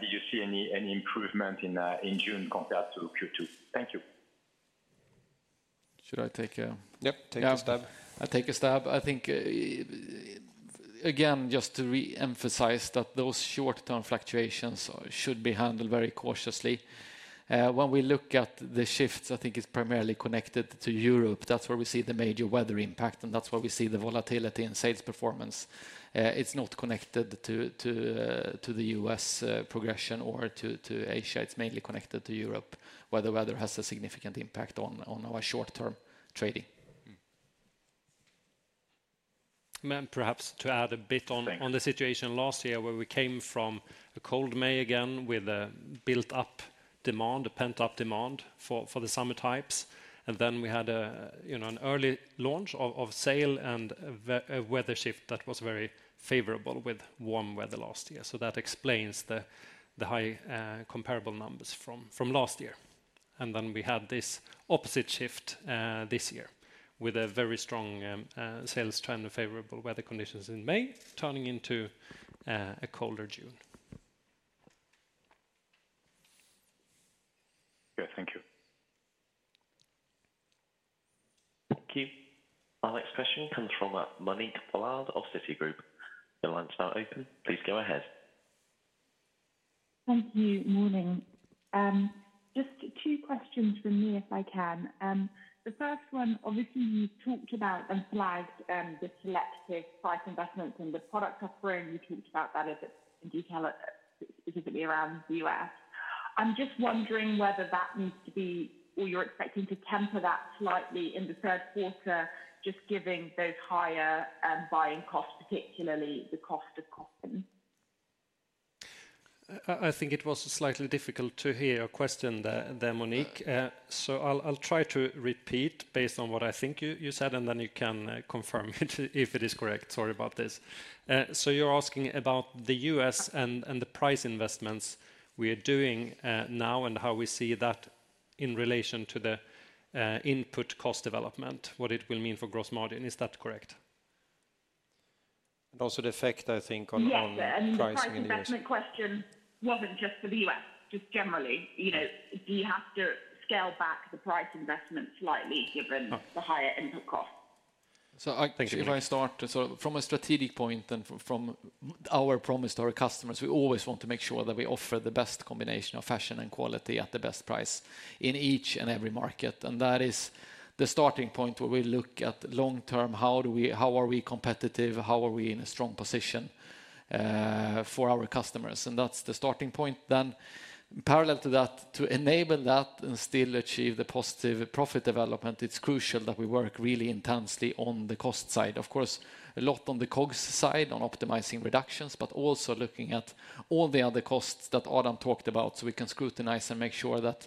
did you see any any improvement in in June compared to Q2? Thank you. Should I take? Yep, take a stab. Yeah. I'll take a stab. I think, again, just to reemphasize that those short-term fluctuations should be handled very cautiously. When we look at the shifts, I think it's primarily connected to Europe. That's where we see the major weather impact, and that's where we see the volatility in sales performance. It's not connected to the U.S. progression or to Asia. It's mainly connected to Europe, where the weather has a significant impact on our short-term trading. Mm-hmm. And perhaps to add a bit on- Thank you... on the situation last year, where we came from a cold May, again, with a built-up demand, a pent-up demand for the summer types. And then we had a, you know, an early launch of sale and a weather shift that was very favorable with warm weather last year. So that explains the high comparable numbers from last year. And then we had this opposite shift this year, with a very strong sales trend of favorable weather conditions in May, turning into a colder June. Yeah, thank you. Thank you. Our next question comes from Monique Pollard of Citigroup. Your line is now open. Please go ahead. Thank you. Morning. Just two questions from me, if I can. The first one, obviously, you talked about and flagged the selective price investments in the product offering. You talked about that in detail, specifically around the U.S. I'm just wondering whether that needs to be, or you're expecting to temper that slightly in the Q3, just giving those higher buying costs, particularly the cost of cotton? I think it was slightly difficult to hear your question there, Monique. So I'll try to repeat based on what I think you said, and then you can confirm if it is correct. Sorry about this. So you're asking about the US and the price investments we are doing now and how we see that in relation to the input cost development, what it will mean for gross margin. Is that correct? And also the effect, I think, on, on price- Yes, and the price investment question wasn't just for the U.S., just generally. You know, do you have to scale back the price investment slightly, given the higher input costs? ... So if I start from a strategic point and from our promise to our customers, we always want to make sure that we offer the best combination of fashion and quality at the best price in each and every market. And that is the starting point where we look at long term, how do we, how are we competitive? How are we in a strong position for our customers? And that's the starting point. Then parallel to that, to enable that and still achieve the positive profit development, it's crucial that we work really intensely on the cost side. Of course, a lot on the COGS side, on optimizing reductions, but also looking at all the other costs that Adam talked about, so we can scrutinize and make sure that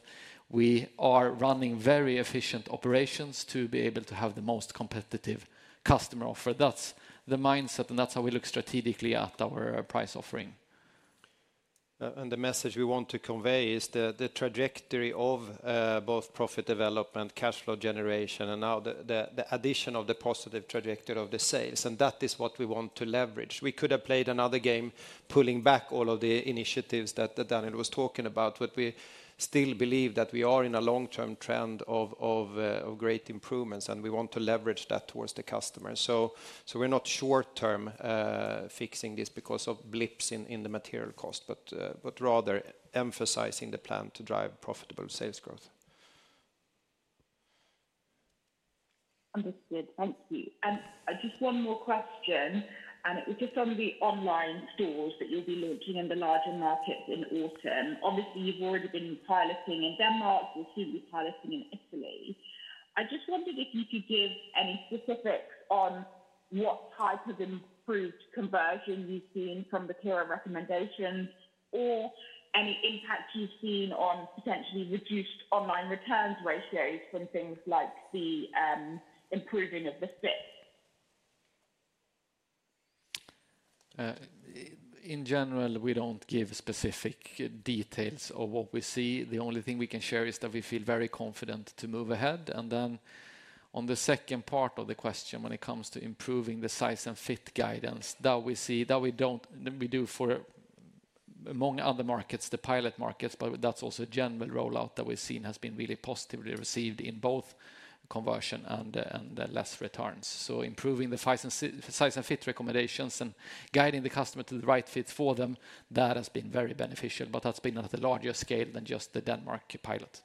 we are running very efficient operations to be able to have the most competitive customer offer. That's the mindset, and that's how we look strategically at our price offering. And the message we want to convey is the trajectory of both profit development, cash flow generation, and now the addition of the positive trajectory of the sales, and that is what we want to leverage. We could have played another game, pulling back all of the initiatives that Daniel was talking about, but we still believe that we are in a long-term trend of great improvements, and we want to leverage that towards the customer. So we're not short-term fixing this because of blips in the material cost, but rather emphasizing the plan to drive profitable sales growth. Understood. Thank you. And just one more question, and it was just on the online stores that you'll be launching in the larger markets in autumn. Obviously, you've already been piloting in Denmark, you'll soon be piloting in Italy. I just wondered if you could give any specifics on what type of improved conversion you've seen from the clearer recommendations, or any impact you've seen on potentially reduced online returns ratios from things like the improving of the fit? In general, we don't give specific details of what we see. The only thing we can share is that we feel very confident to move ahead. And then on the second part of the question, when it comes to improving the size and fit guidance, that we see that we do for, among other markets, the pilot markets, but that's also a general rollout that we've seen has been really positively received in both conversion and less returns. So improving the size and fit recommendations and guiding the customer to the right fit for them, that has been very beneficial, but that's been on a larger scale than just the Denmark pilot.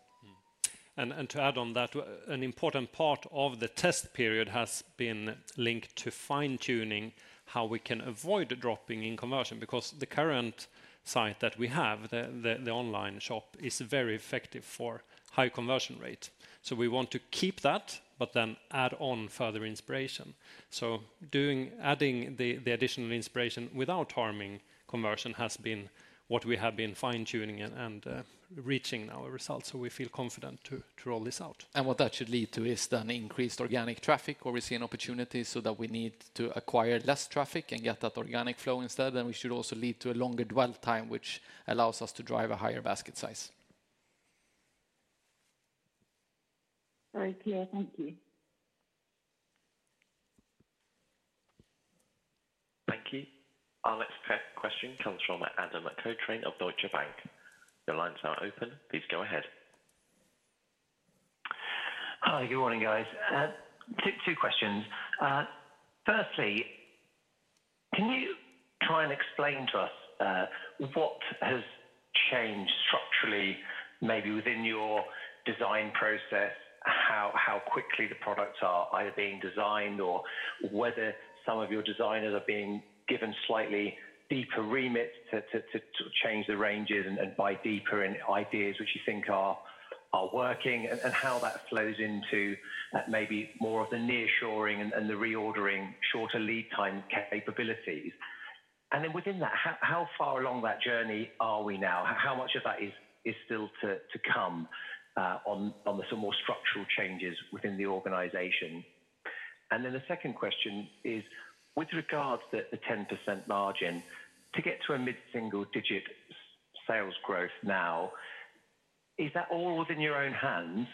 Mm-hmm. To add on that, an important part of the test period has been linked to fine-tuning how we can avoid dropping in conversion, because the current site that we have, the online shop, is very effective for high conversion rate. So we want to keep that, but then add on further inspiration. So doing, adding the additional inspiration without harming conversion has been what we have been fine-tuning and reaching now a result. So we feel confident to roll this out. What that should lead to is then increased organic traffic, where we see an opportunity so that we need to acquire less traffic and get that organic flow instead. We should also lead to a longer dwell time, which allows us to drive a higher basket size. Very clear. Thank you. Thank you. Our next question comes from Adam Cochrane of Deutsche Bank. Your line is now open, please go ahead. Hi, good morning, guys. 2 questions. Firstly, can you try and explain to us what has changed structurally, maybe within your design process, how quickly the products are either being designed or whether some of your designers are being given slightly deeper remits to change the ranges and buy deeper in ideas which you think are working, and how that flows into maybe more of the nearshoring and the reordering, shorter lead time capabilities? And then within that, how far along that journey are we now? How much of that is still to come on some more structural changes within the organization? And then the second question is, with regards to the 10% margin, to get to a mid-single-digit sales growth now, is that all within your own hands,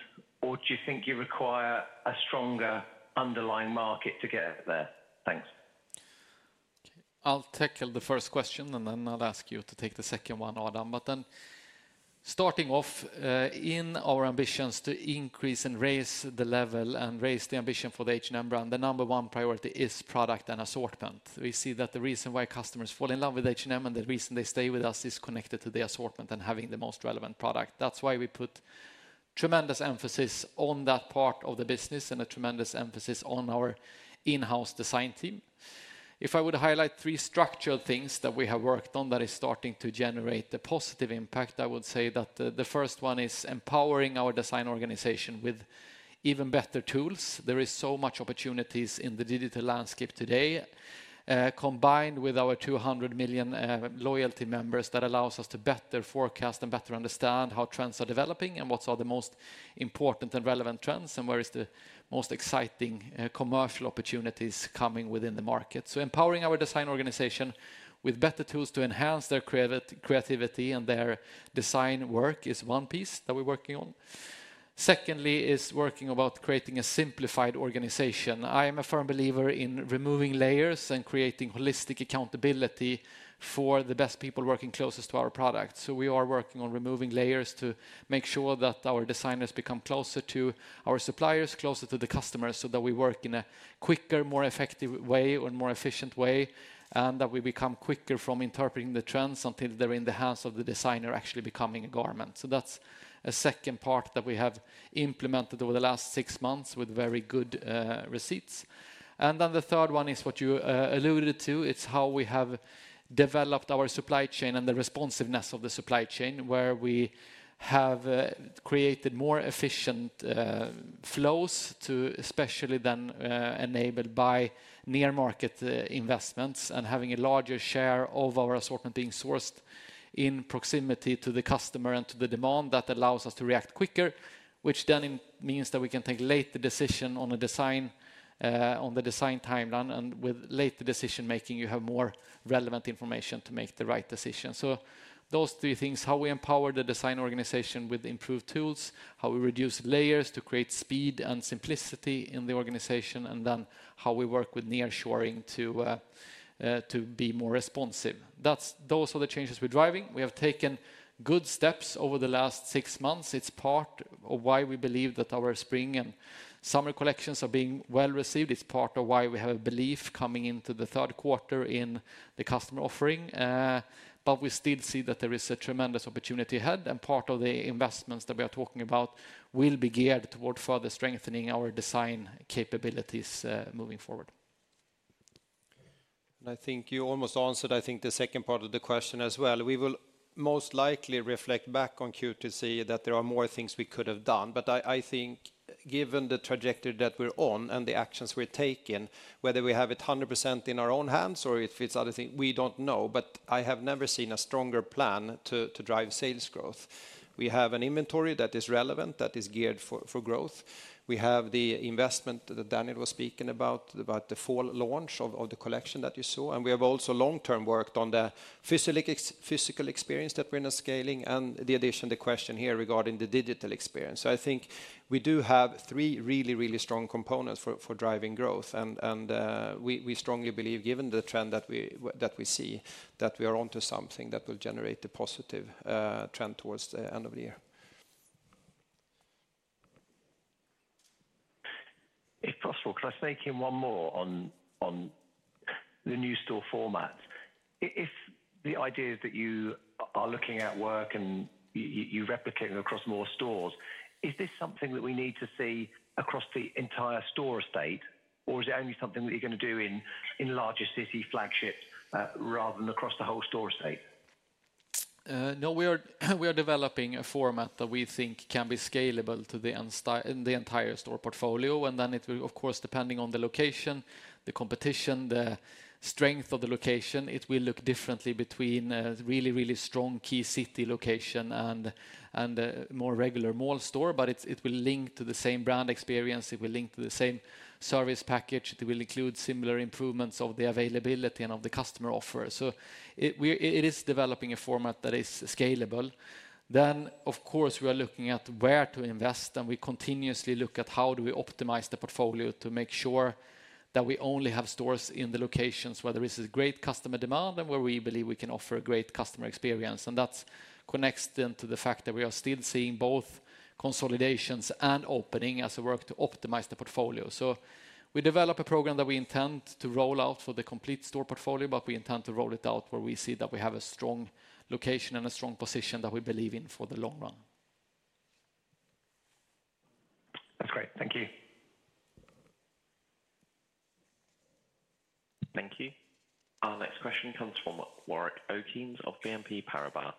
or do you think you require a stronger underlying market to get there? Thanks. I'll tackle the first question, and then I'll ask you to take the second one, Adam. But then, starting off, in our ambitions to increase and raise the level and raise the ambition for the H&M brand, the number one priority is product and assortment. We see that the reason why customers fall in love with H&M, and the reason they stay with us, is connected to the assortment and having the most relevant product. That's why we put tremendous emphasis on that part of the business and a tremendous emphasis on our in-house design team. If I would highlight three structural things that we have worked on that is starting to generate a positive impact, I would say that the first one is empowering our design organization with even better tools. There is so much opportunities in the digital landscape today. Combined with our 200 million loyalty members, that allows us to better forecast and better understand how trends are developing and what are the most important and relevant trends, and where is the most exciting commercial opportunities coming within the market. So empowering our design organization with better tools to enhance their creativity and their design work is one piece that we're working on.... Secondly, is working about creating a simplified organization. I am a firm believer in removing layers and creating holistic accountability for the best people working closest to our product. So we are working on removing layers to make sure that our designers become closer to our suppliers, closer to the customers, so that we work in a quicker, more effective way or more efficient way, and that we become quicker from interpreting the trends until they're in the hands of the designer, actually becoming a garment. So that's a second part that we have implemented over the last six months with very good, receipts. And then the third one is what you, alluded to. It's how we have developed our supply chain and the responsiveness of the supply chain, where we have created more efficient flows to especially then enabled by near-market investments and having a larger share of our assortment being sourced in proximity to the customer and to the demand that allows us to react quicker, which then means that we can take late the decision on a design on the design timeline, and with late the decision-making, you have more relevant information to make the right decision. So those three things, how we empower the design organization with improved tools, how we reduce layers to create speed and simplicity in the organization, and then how we work with nearshoring to be more responsive. That's. Those are the changes we're driving. We have taken good steps over the last six months. It's part of why we believe that our spring and summer collections are being well received. It's part of why we have a belief coming into the Q3 in the customer offering, but we still see that there is a tremendous opportunity ahead, and part of the investments that we are talking about will be geared toward further strengthening our design capabilities, moving forward. I think you almost answered, I think, the second part of the question as well. We will most likely reflect back on Q2, see that there are more things we could have done. But I, I think given the trajectory that we're on and the actions we're taking, whether we have it 100% in our own hands or if it's other things, we don't know, but I have never seen a stronger plan to, to drive sales growth. We have an inventory that is relevant, that is geared for, for growth. We have the investment that Daniel was speaking about, about the fall launch of, of the collection that you saw, and we have also long-term worked on the physical experience that we're now scaling and the addition, the question here regarding the digital experience. So I think we do have three really, really strong components for driving growth, and we strongly believe, given the trend that we see, that we are onto something that will generate a positive trend towards the end of the year. If possible, could I sneak in one more on the new store format? If the idea is that you are looking at work and you replicate it across more stores, is this something that we need to see across the entire store estate, or is it only something that you're going to do in larger city flagships, rather than across the whole store estate? No, we are developing a format that we think can be scalable to the entire store portfolio, and then it will, of course, depending on the location, the competition, the strength of the location, it will look differently between a really, really strong key city location and a more regular mall store, but it will link to the same brand experience, it will link to the same service package. It will include similar improvements of the availability and of the customer offer. So, it is developing a format that is scalable. Then, of course, we are looking at where to invest, and we continuously look at how do we optimize the portfolio to make sure that we only have stores in the locations where there is a great customer demand and where we believe we can offer a great customer experience. That connects then to the fact that we are still seeing both consolidations and openings as we work to optimize the portfolio. We develop a program that we intend to roll out for the complete store portfolio, but we intend to roll it out where we see that we have a strong location and a strong position that we believe in for the long run. That's great. Thank you. Thank you. Our next question comes from Warwick Okines of BNP Paribas.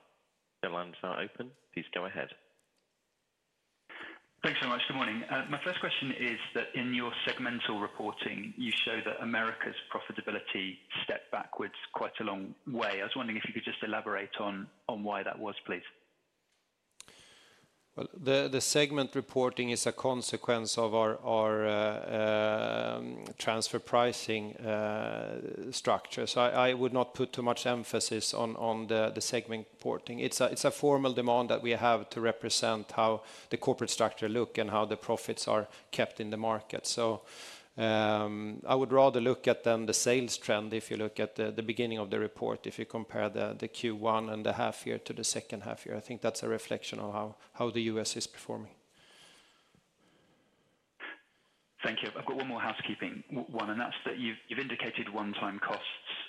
The line is now open. Please go ahead. Thanks so much. Good morning. My first question is that in your segmental reporting, you show that Americas' profitability stepped backwards quite a long way. I was wondering if you could just elaborate on why that was, please? Well, the segment reporting is a consequence of our transfer pricing structure. So I would not put too much emphasis on the segment reporting. It's a formal demand that we have to represent how the corporate structure look and how the profits are kept in the market. So, I would rather look at then the sales trend, if you look at the beginning of the report, if you compare the Q1 and the half year to the second half year, I think that's a reflection of how the U.S. is performing. Thank you. I've got one more housekeeping, one, and that's that you've indicated one-time costs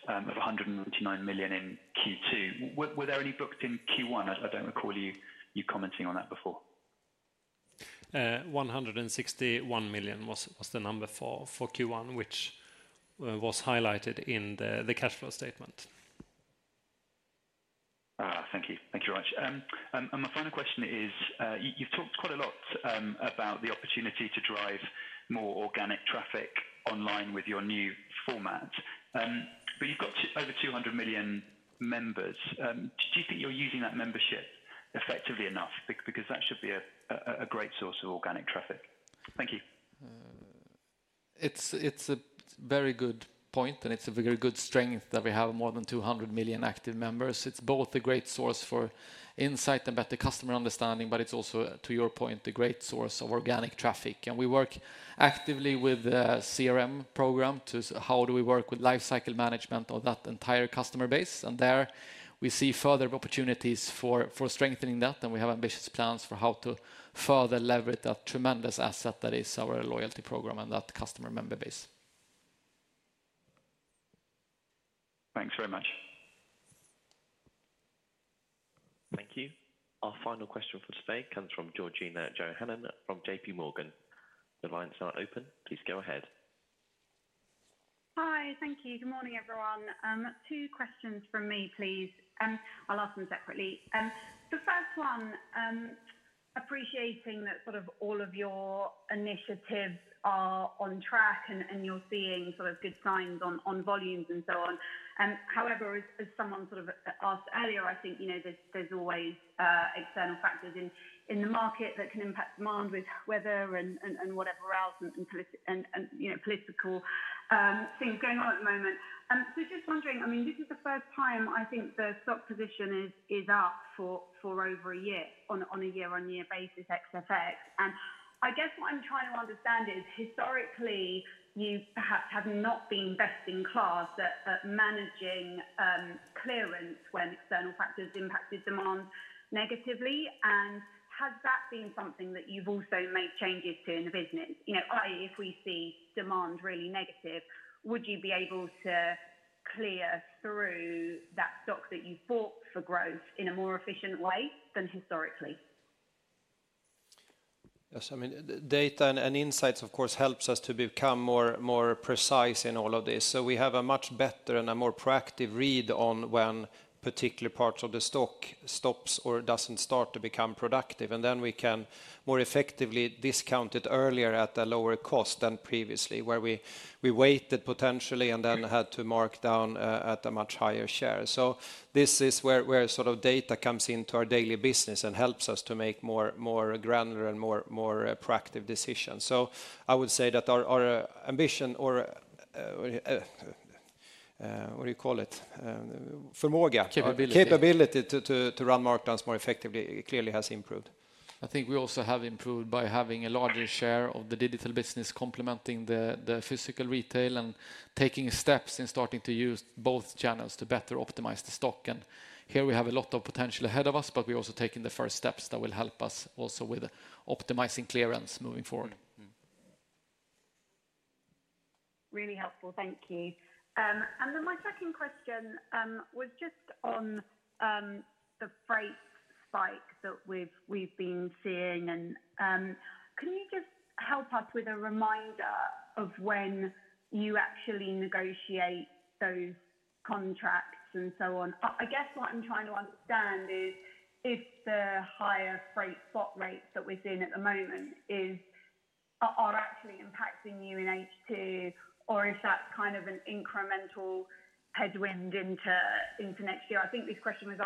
of 199 million in Q2. Were there any booked in Q1? I don't recall you commenting on that before. 161 million was the number for Q1, which was highlighted in the cash flow statement. Ah, thank you. Thank you very much. And my final question is, you've talked quite a lot about the opportunity to drive more organic traffic online with your new format. But you've got over 200 million members. Do you think you're using that membership effectively enough? Because that should be a great source of organic traffic. Thank you.... It's, it's a very good point, and it's a very good strength that we have more than 200 million active members. It's both a great source for insight and better customer understanding, but it's also, to your point, a great source of organic traffic. And we work actively with the CRM program to how do we work with lifecycle management of that entire customer base, and there we see further opportunities for, for strengthening that, and we have ambitious plans for how to further leverage that tremendous asset that is our loyalty program and that customer member base. Thanks very much. Thank you. Our final question for today comes from Georgina Johanan from J.P. Morgan. The lines are open. Please go ahead. Hi. Thank you. Good morning, everyone. Two questions from me, please. I'll ask them separately. The first one, appreciating that sort of all of your initiatives are on track and, and you're seeing sort of good signs on, on volumes and so on. However, as someone sort of asked earlier, I think, you know, there's, there's always, external factors in, in the market that can impact demand with weather and, and, and whatever else and, and, you know, political things going on at the moment. So just wondering, I mean, this is the first time I think the stock position is, is up for, for over a year on a, on a year-on-year basis, ex FX. I guess what I'm trying to understand is, historically, you perhaps have not been best in class at managing clearance when external factors impacted demand negatively. And has that been something that you've also made changes to in the business? You know, i.e., if we see demand really negative, would you be able to clear through that stock that you bought for growth in a more efficient way than historically? Yes, I mean, data and insights, of course, helps us to become more precise in all of this. So we have a much better and a more proactive read on when particular parts of the stock stops or doesn't start to become productive, and then we can more effectively discount it earlier at a lower cost than previously, where we waited potentially and then had to mark down at a much higher share. So this is where sort of data comes into our daily business and helps us to make more granular and more proactive decisions. So I would say that our ambition or, what do you call it? Förmåga. Capability. Capability to run markdowns more effectively clearly has improved. I think we also have improved by having a larger share of the digital business complementing the physical retail and taking steps in starting to use both channels to better optimize the stock. Here we have a lot of potential ahead of us, but we're also taking the first steps that will help us also with optimizing clearance moving forward. Mm-hmm. Really helpful. Thank you. And then my second question was just on the freight spike that we've been seeing and can you just help us with a reminder of when you actually negotiate those contracts and so on? I guess what I'm trying to understand is if the higher freight spot rates that we're seeing at the moment are actually impacting you in H2, or is that kind of an incremental headwind into next year? I think this question was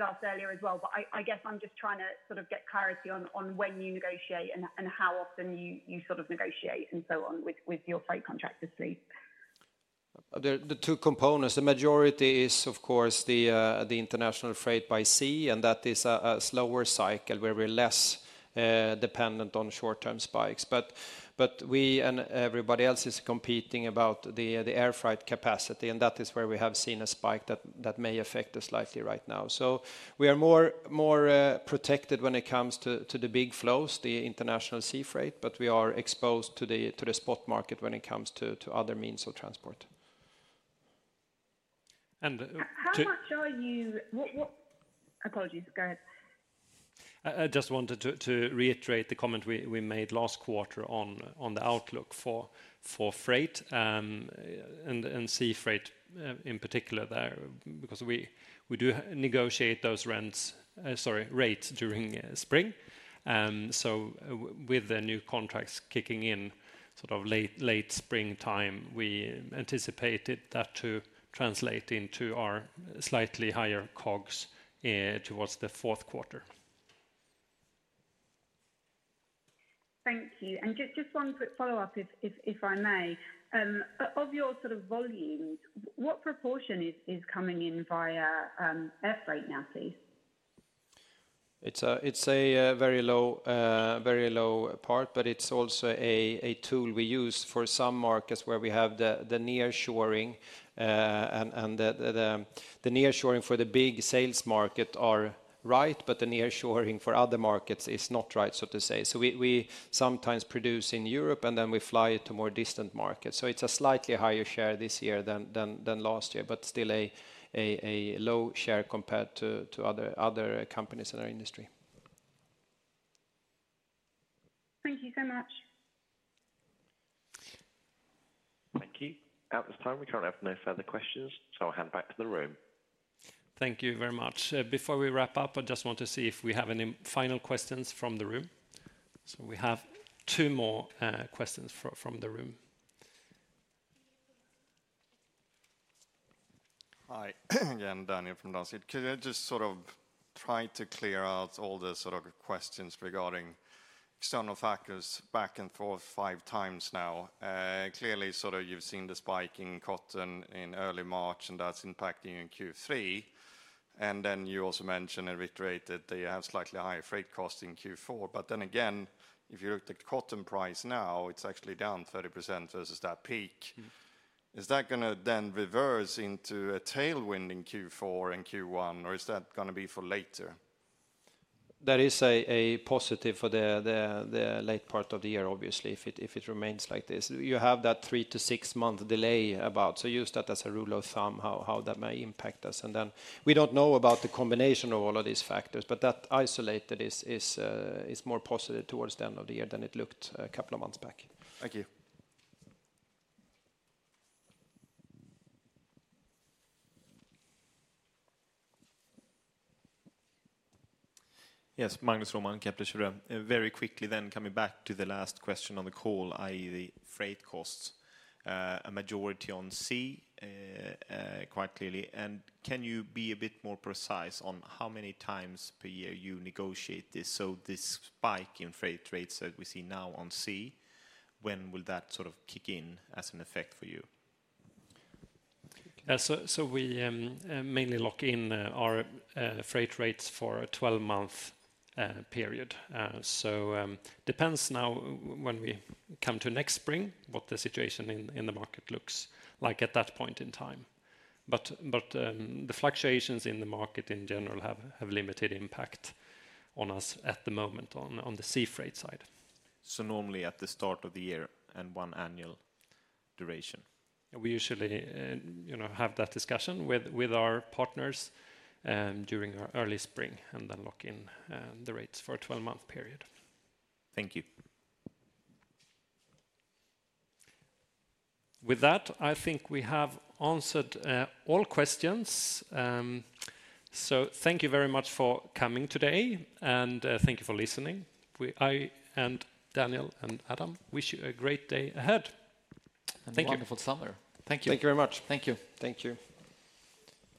asked earlier as well, but I guess I'm just trying to sort of get clarity on when you negotiate and how often you sort of negotiate and so on with your freight contractors, please. There are two components. The majority is, of course, the international freight by sea, and that is a slower cycle where we're less dependent on short-term spikes. But we and everybody else is competing about the air freight capacity, and that is where we have seen a spike that may affect us slightly right now. So we are more protected when it comes to the big flows, the international sea freight, but we are exposed to the spot market when it comes to other means of transport. And to- What, apologies, go ahead. I just wanted to reiterate the comment we made last quarter on the outlook for freight and sea freight in particular there, because we do negotiate those rents, sorry, rates during spring. So with the new contracts kicking in sort of late springtime, we anticipated that to translate into our slightly higher COGS towards the Q4. Thank you. Just one quick follow-up, if I may. Of your sort of volumes, what proportion is coming in via air freight now, please? It's a very low part, but it's also a tool we use for some markets where we have the nearshoring, and the nearshoring for the big sales market are right, but the nearshoring for other markets is not right, so to say. So we sometimes produce in Europe, and then we fly it to more distant markets. So it's a slightly higher share this year than last year, but still a low share compared to other companies in our industry. Thank you so much. Thank you. At this time, we currently have no further questions, so I'll hand back to the room. Thank you very much. Before we wrap up, I just want to see if we have any final questions from the room. So we have two more questions from the room.... Hi, again, Daniel from Danske. Could I just sort of try to clear out all the sort of questions regarding external factors back and forth five times now? Clearly, sort of you've seen the spike in cotton in early March, and that's impacting in Q3. And then you also mentioned and reiterated that you have slightly higher freight costs in Q4. But then again, if you look at the cotton price now, it's actually down 30% versus that peak. Mm-hmm. Is that gonna then reverse into a tailwind in Q4 and Q1, or is that gonna be for later? That is a positive for the late part of the year, obviously, if it remains like this. You have that 3- to 6-month delay about, so use that as a rule of thumb, how that may impact us. And then we don't know about the combination of all of these factors, but that isolated is more positive towards the end of the year than it looked a couple of months back. Thank you. Yes, Magnus Raman, Kepler Cheuvreux. Very quickly then, coming back to the last question on the call, i.e., the freight costs, a majority on sea, quite clearly. Can you be a bit more precise on how many times per year you negotiate this? This spike in freight rates that we see now on sea, when will that sort of kick in as an effect for you? So, so we mainly lock in our freight rates for a 12-month period. So, depends now when we come to next spring, what the situation in the market looks like at that point in time. But the fluctuations in the market in general have limited impact on us at the moment on the sea freight side. Normally at the start of the year and one annual duration? We usually, you know, have that discussion with, with our partners, during our early spring, and then lock in the rates for a 12-month period. Thank you. With that, I think we have answered all questions. Thank you very much for coming today, and thank you for listening. We, I, and Daniel, and Adam wish you a great day ahead. Thank you. A wonderful summer. Thank you. Thank you very much. Thank you. Thank you.